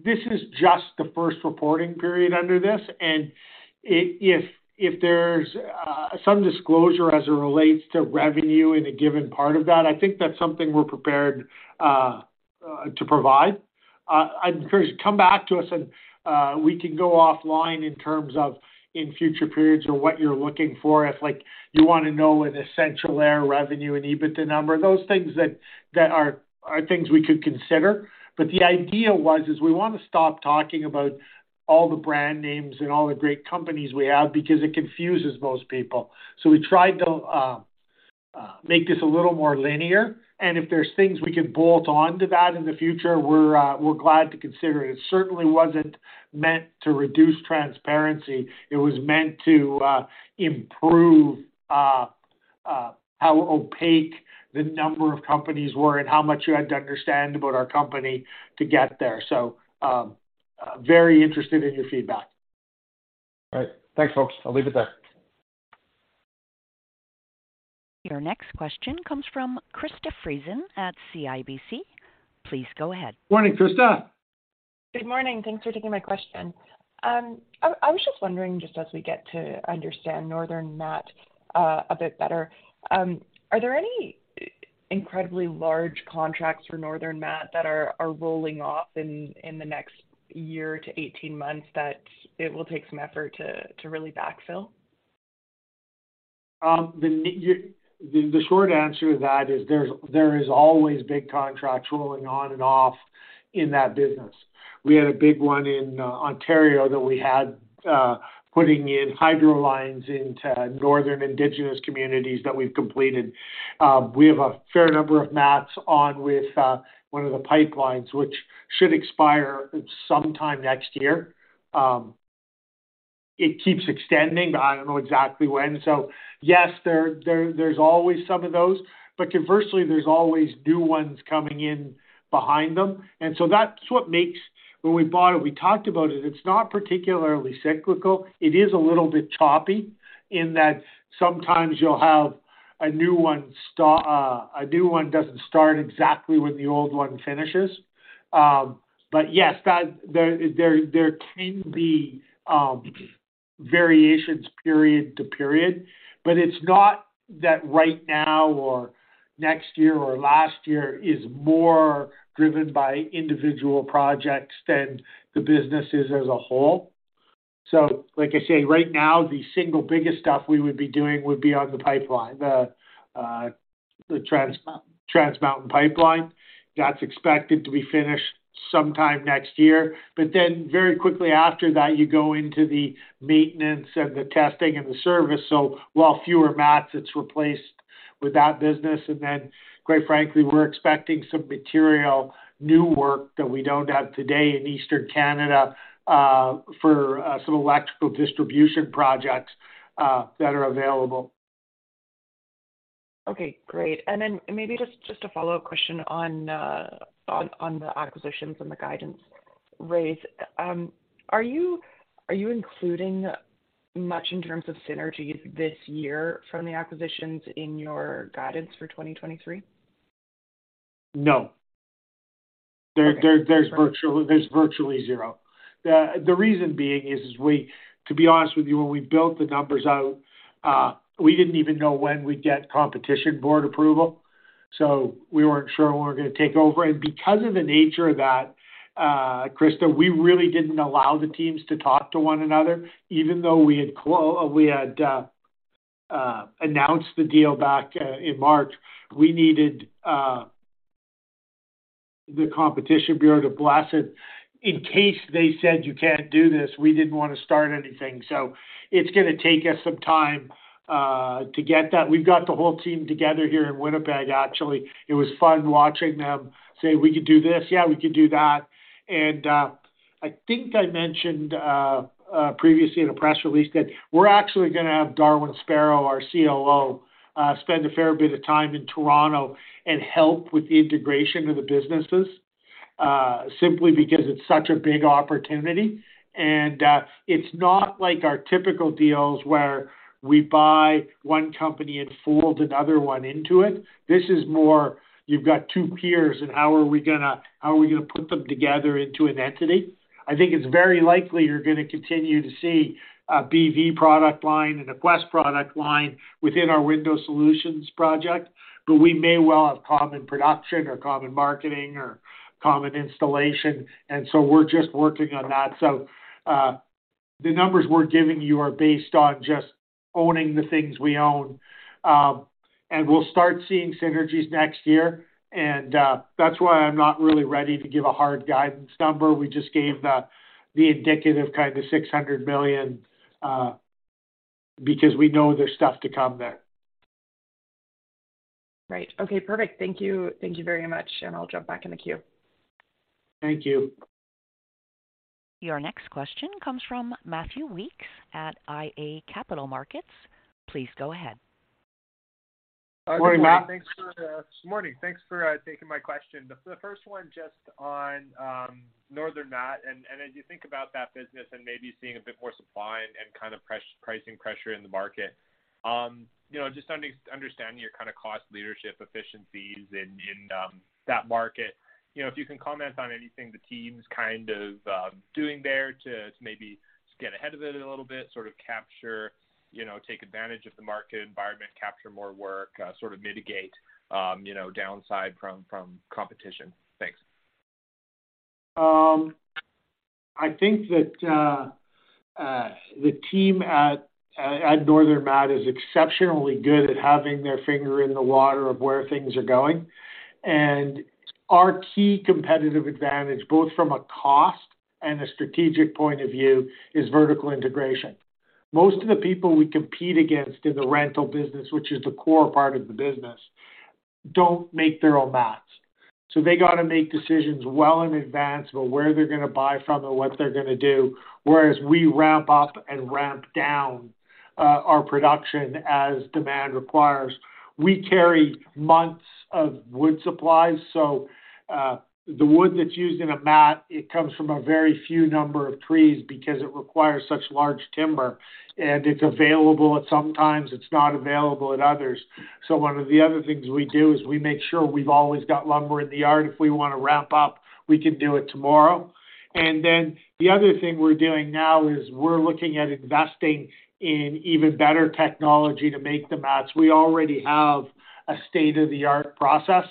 This is just the first reporting period under this, if there's some disclosure as it relates to revenue in a given part of that, I think that's something we're prepared to provide. I'd encourage you, come back to us and we can go offline in terms of in future periods or what you're looking for. If, like, you wanna know an Essential Air revenue and EBITDA number, those things that are things we could consider. The idea was, is we wanna stop talking about all the brand names and all the great companies we have because it confuses most people. We tried to make this a little more linear, and if there's things we can bolt on to that in the future, we're glad to consider it. It certainly wasn't meant to reduce transparency. It was meant to improve how opaque the number of companies were and how much you had to understand about our company to get there. Very interested in your feedback. All right. Thanks, folks. I'll leave it there. Your next question comes from Krista Friesen at CIBC. Please go ahead. Morning, Krista. Good morning. Thanks for taking my question. I was just wondering, just as we get to understand Northern Mat, a bit better, are there any incredibly large contracts for Northern Mat that are rolling off in the next year to 18 months that it will take some effort to really backfill? The short answer to that is there is always big contracts rolling on and off in that business. We had a big one in Ontario that we had putting in hydro lines into Northern indigenous communities that we've completed. We have a fair number of mats on with one of the pipelines, which should expire sometime next year. It keeps extending, but I don't know exactly when. Yes, there's always some of those. Conversely, there's always new ones coming in behind them. When we bought it, we talked about it. It's not particularly cyclical. It is a little bit choppy in that sometimes a new one doesn't start exactly when the old one finishes. Yes, that there, there can be variations period to period, but it's not that right now or next year or last year is more driven by individual projects than the businesses as a whole. Like I say, right now, the single biggest stuff we would be doing would be on the pipeline, the Trans Mountain pipeline. That's expected to be finished sometime next year. Very quickly after that, you go into the maintenance and the testing and the service. While fewer mats, it's replaced with that business. Quite frankly, we're expecting some material new work that we don't have today in Eastern Canada for some electrical distribution projects that are available. Okay, great. Maybe just a follow-up question on the acquisitions and the guidance raise. Are you including much in terms of synergies this year from the acquisitions in your guidance for 2023? No. Okay. There's virtually zero. The reason being is to be honest with you, when we built the numbers out, we didn't even know when we'd get Competition Bureau approval, so we weren't sure when we were gonna take over. Because of the nature of that, Krista, we really didn't allow the teams to talk to one another. Even though we had announced the deal back in March, we needed the Competition Bureau to bless it. In case they said, "You can't do this," we didn't wanna start anything. It's gonna take us some time to get that. We've got the whole team together here in Winnipeg, actually. It was fun watching them say, "We could do this. Yeah, we could do that. I think I mentioned, previously in a press release that we're actually gonna have Darwin Sparrow, our COO, spend a fair bit of time in Toronto and help with the integration of the businesses, simply because it's such a big opportunity. It's not like our typical deals where we buy one company and fold another one into it. This is more, you've got two peers and how are we gonna put them together into an entity? I think it's very likely you're gonna continue to see a BV product line and a Quest product line within our Windows Solutions project. We may well have common production or common marketing or common installation. We're just working on that. The numbers we're giving you are based on just owning the things we own. We'll start seeing synergies next year, and that's why I'm not really ready to give a hard guidance number. We just gave the indicative kind of 600 million, because we know there's stuff to come there. Right. Okay, perfect. Thank you. Thank you very much. I'll jump back in the queue. Thank you. Your next question comes from Matthew Weekes at iA Capital Markets. Please go ahead. Good morning, Matt. Good morning. Thanks for taking my question. The first one, just on Northern Mat, and as you think about that business and maybe seeing a bit more supply and kind of pricing pressure in the market, you know, just understanding your kinda cost leadership efficiencies in that market. You know, if you can comment on anything the team's kind of doing there to maybe get ahead of it a little bit, sort of capture, you know, take advantage of the market environment, capture more work, sort of mitigate, you know, downside from competition. Thanks. I think that the team at Northern Mat is exceptionally good at having their finger in the water of where things are going. Our key competitive advantage, both from a cost and a strategic point of view, is vertical integration. Most of the people we compete against in the rental business, which is the core part of the business, don't make their own mats. They gotta make decisions well in advance about where they're gonna buy from and what they're gonna do, whereas we ramp up and ramp down our production as demand requires. We carry months of wood supplies. The wood that's used in a mat, it comes from a very few number of trees because it requires such large timber, and it's available at some times, it's not available at others. One of the other things we do is we make sure we've always got lumber in the yard. If we wanna ramp up, we can do it tomorrow. The other thing we're doing now is we're looking at investing in even better technology to make the mats. We already have a state-of-the-art process,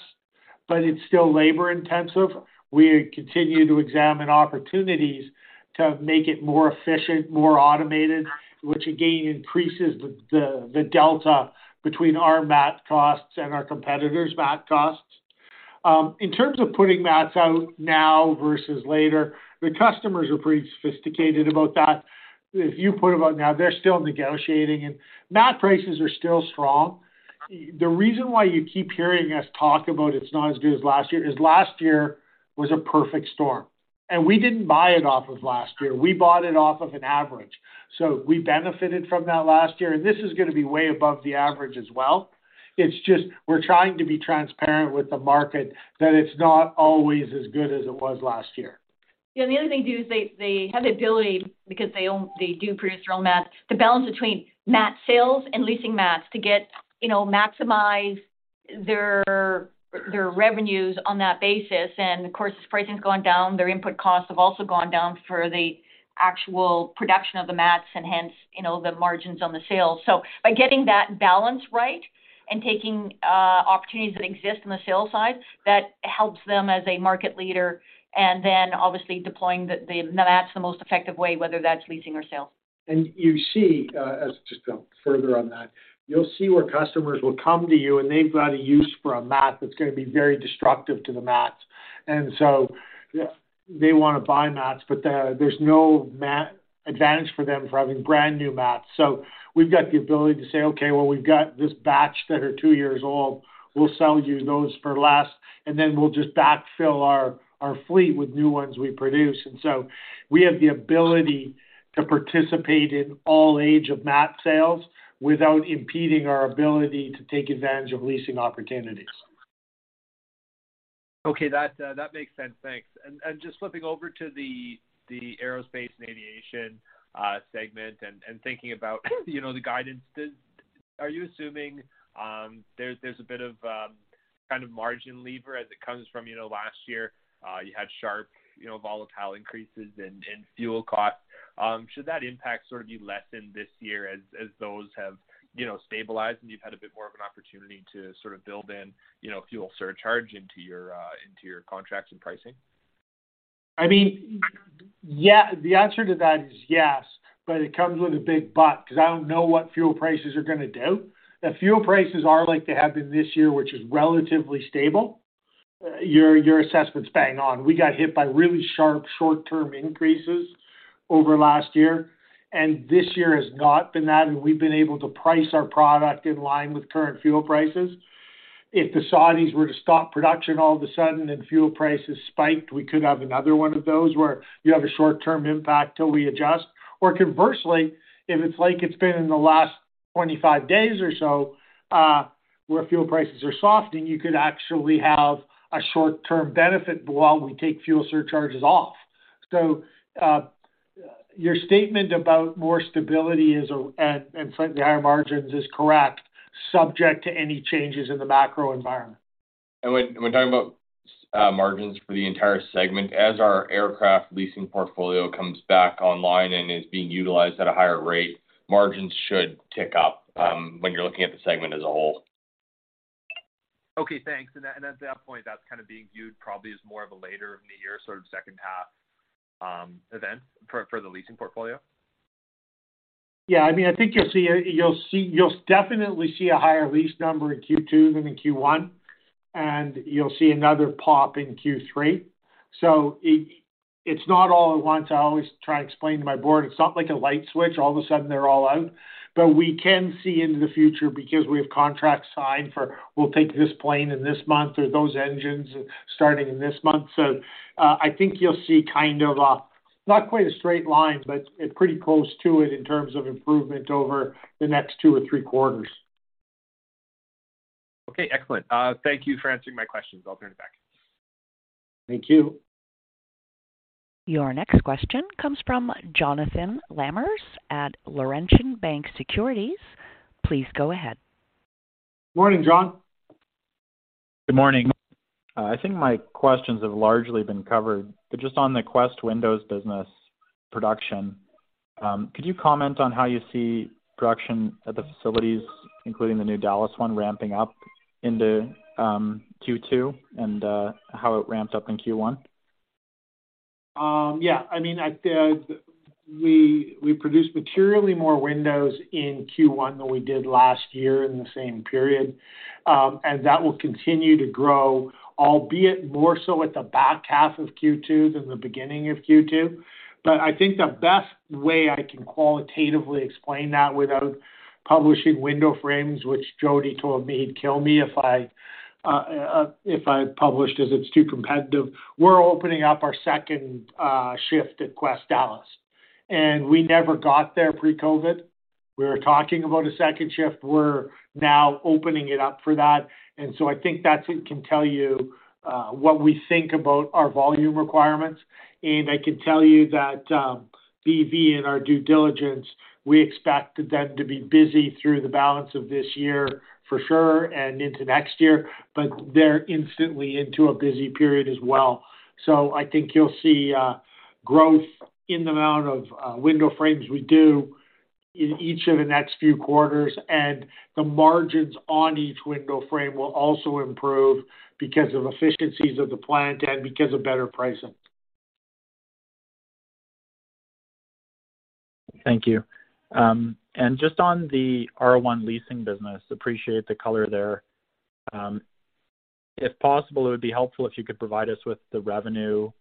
but it's still labor-intensive. We continue to examine opportunities to make it more efficient, more automated, which again increases the delta between our mat costs and our competitors' mat costs. In terms of putting mats out now versus later, the customers are pretty sophisticated about that. If you put them out now, they're still negotiating. Mat prices are still strong. The reason why you keep hearing us talk about it's not as good as last year is last year was a perfect storm. We didn't buy it off of last year. We bought it off of an average. We benefited from that last year, and this is gonna be way above the average as well. It's just we're trying to be transparent with the market that it's not always as good as it was last year. Yeah, the other thing too is they have the ability, because they do produce their own mats, to balance between mat sales and leasing mats to get, you know, maximize their revenues on that basis. Of course, as pricing's gone down, their input costs have also gone down for the actual production of the mats and hence, you know, the margins on the sales. By getting that balance right and taking opportunities that exist on the sales side, that helps them as a market leader and then obviously deploying the mats the most effective way, whether that's leasing or sales. You see, as just, further on that, you'll see where customers will come to you, and they've got a use for a mat that's gonna be very destructive to the mat. They want to buy mats, but there's no advantage for them for having brand new mats. We've got the ability to say, "Okay, well, we've got this batch that are two years old. We'll sell you those for less, and then we'll just backfill our fleet with new ones we produce." We have the ability to participate in all age of mat sales without impeding our ability to take advantage of leasing opportunities. Okay, that makes sense. Thanks. Just flipping over to the Aerospace & Aviation segment and thinking about, you know, the guidance. Are you assuming there's a bit of kind of margin lever as it comes from, you know, last year, you had sharp, you know, volatile increases in fuel costs? Should that impact sort of be lessened this year as those have, you know, stabilized and you've had a bit more of an opportunity to sort of build in, you know, fuel surcharge into your contracts and pricing? I mean, yeah. The answer to that is yes, but it comes with a big but, 'cause I don't know what fuel prices are gonna do. If fuel prices are like they have been this year, which is relatively stable, your assessment's bang on. We got hit by really sharp short-term increases over last year, and this year has not been that, and we've been able to price our product in line with current fuel prices. If the Saudis were to stop production all of a sudden and fuel prices spiked, we could have another one of those where you have a short-term impact till we adjust. Conversely, if it's like it's been in the last 25 days or so, where fuel prices are softening, you could actually have a short-term benefit while we take fuel surcharges off. Your statement about more stability is a-- and slightly higher margins is correct, subject to any changes in the macro environment. When talking about margins for the entire segment, as our aircraft leasing portfolio comes back online and is being utilized at a higher rate, margins should tick up when you're looking at the segment as a whole. Okay, thanks. At that point, that's kinda being viewed probably as more of a later in the year, sort of second half event for the leasing portfolio. Yeah. I mean, I think you'll definitely see a higher lease number in Q2 than in Q1, and you'll see another pop in Q3. It, it's not all at once. I always try and explain to my board, it's not like a light switch, all of a sudden they're all out. We can see into the future because we have contracts signed for we'll take this plane in this month or those engines starting in this month. I think you'll see kind of a, not quite a straight line, but pretty close to it in terms of improvement over the next two or three quarters. Excellent. Thank you for answering my questions. I'll turn it back. Thank you. Your next question comes from Jonathan Lamers at Laurentian Bank Securities. Please go ahead. Morning, John. Good morning. I think my questions have largely been covered, but just on the Quest Windows business production, could you comment on how you see production at the facilities, including the new Dallas one, ramping up into Q2 and how it ramped up in Q1? Yeah. I mean, I said we produced materially more windows in Q1 than we did last year in the same period, and that will continue to grow, albeit more so at the back half of Q2 than the beginning of Q2. I think the best way I can qualitatively explain that without publishing window frames, which Jody told me he'd kill me if I published as it's too competitive. We're opening up our second shift at Quest Dallas, and we never got there pre-COVID. We were talking about a second shift. We're now opening it up for that. I think that's we can tell you what we think about our volume requirements. I can tell you that, BV in our due diligence, we expect them to be busy through the balance of this year for sure and into next year, but they're instantly into a busy period as well. I think you'll see growth in the amount of window frames we do in each of the next few quarters, and the margins on each window frame will also improve because of efficiencies of the plant and because of better pricing. Thank you. Just on the R1 leasing business, appreciate the color there. If possible, it would be helpful if you could provide us with the revenue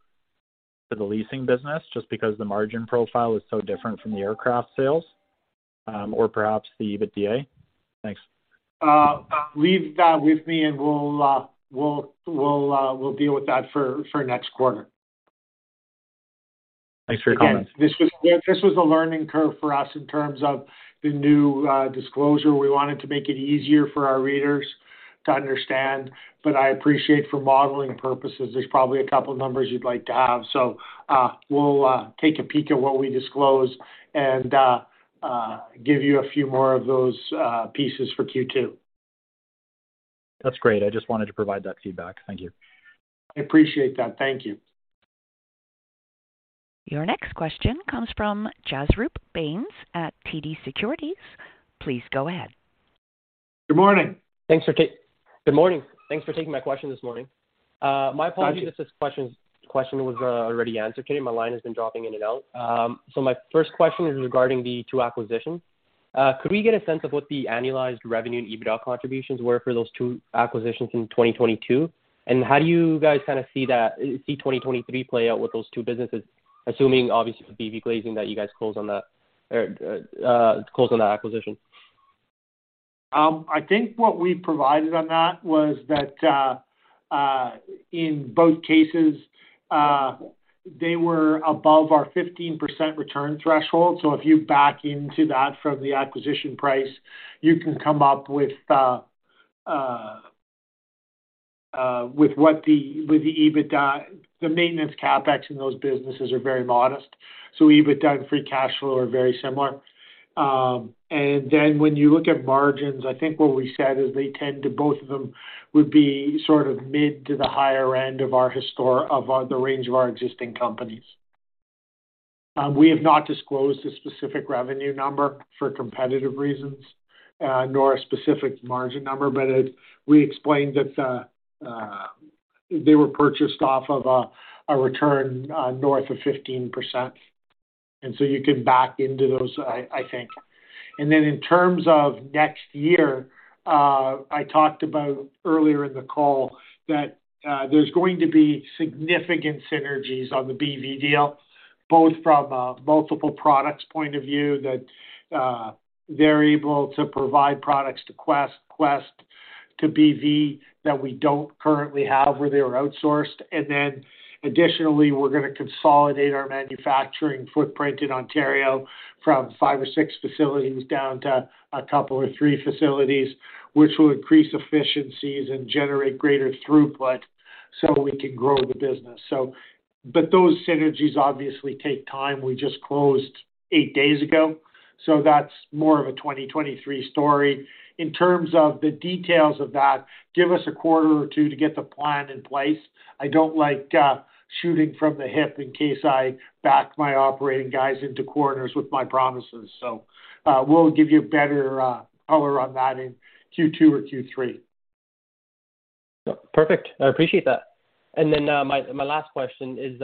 for the leasing business, just because the margin profile is so different from the aircraft sales, or perhaps the EBITDA. Thanks. Leave that with me, and we'll deal with that for next quarter. Thanks for your comments. Again, this was a learning curve for us in terms of the new disclosure. We wanted to make it easier for our readers to understand. I appreciate for modeling purposes, there's probably a couple numbers you'd like to have. We'll take a peek at what we disclose and give you a few more of those pieces for Q2. That's great. I just wanted to provide that feedback. Thank you. I appreciate that. Thank you. Your next question comes from Jasroop Bains at TD Securities. Please go ahead. Good morning. Good morning. Thanks for taking my question this morning. My apologies. Gotcha. If this question was already answered. Katie, my line has been dropping in and out. My first question is regarding the two acquisitions. Could we get a sense of what the annualized revenue and EBITDA contributions were for those two acquisitions in 2022? How do you guys kinda see that 2023 play out with those two businesses, assuming obviously BVGlazing that you guys close on that or close on that acquisition? I think what we provided on that was that in both cases, they were above our 15% return threshold. If you back into that from the acquisition price, you can come up with what the EBITDA. The maintenance CapEx in those businesses are very modest, so EBITDA and free cash flow are very similar. When you look at margins, I think what we said is they tend to both of them would be sort of mid to the higher end of the range of our existing companies. We have not disclosed a specific revenue number for competitive reasons, nor a specific margin number, but we explained that they were purchased off of a return north of 15%, so you can back into those, I think. In terms of next year, I talked about earlier in the call that there's going to be significant synergies on the BV deal, both from a multiple products point of view that they're able to provide products to Quest to BV that we don't currently have where they were outsourced. Additionally, we're gonna consolidate our manufacturing footprint in Ontario from five or six facilities down to a couple or three facilities, which will increase efficiencies and generate greater throughput so we can grow the business. Those synergies obviously take time. We just closed eight days ago, so that's more of a 2023 story. In terms of the details of that, give us a quarter or two to get the plan in place. I don't like shooting from the hip in case I back my operating guys into corners with my promises. We'll give you better color on that in Q2 or Q3. Perfect. I appreciate that. My last question is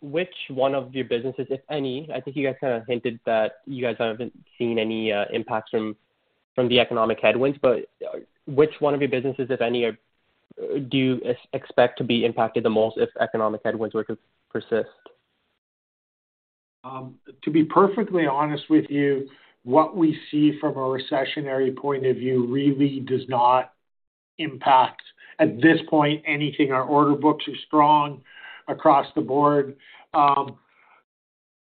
which one of your businesses, if any, I think you guys kinda hinted that you guys haven't seen any impacts from the economic headwinds, but which one of your businesses, if any, do you expect to be impacted the most if economic headwinds were to persist? To be perfectly honest with you, what we see from a recessionary point of view really does not impact at this point anything. Our order books are strong across the board.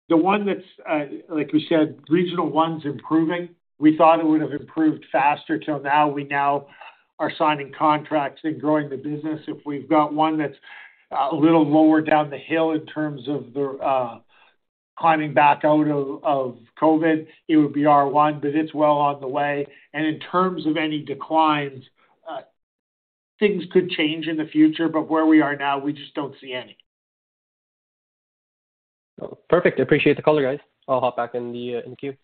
The one that's, like we said, Regional One's improving. We thought it would have improved faster till now. We now are signing contracts and growing the business. If we've got one that's a little lower down the hill in terms of the climbing back out of COVID, it would be R1, but it's well on the way. In terms of any declines, things could change in the future, but where we are now, we just don't see any. Perfect. I appreciate the color, guys. I'll hop back in the in the queue.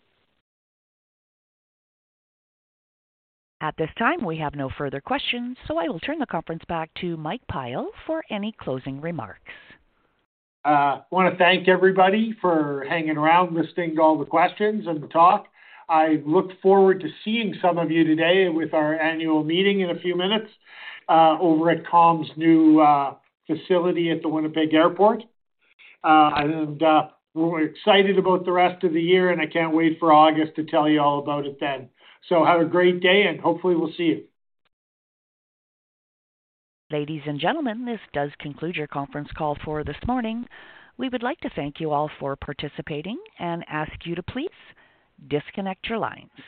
At this time, we have no further questions, so I will turn the conference back to Mike Pyle for any closing remarks. Wanna thank everybody for hanging around, listening to all the questions and the talk. I look forward to seeing some of you today with our annual meeting in a few minutes, over at Calm Air's new facility at the Winnipeg Airport. We're excited about the rest of the year, and I can't wait for August to tell you all about it then. Have a great day, and hopefully we'll see you. Ladies and gentlemen, this does conclude your conference call for this morning. We would like to thank you all for participating and ask you to please disconnect your lines.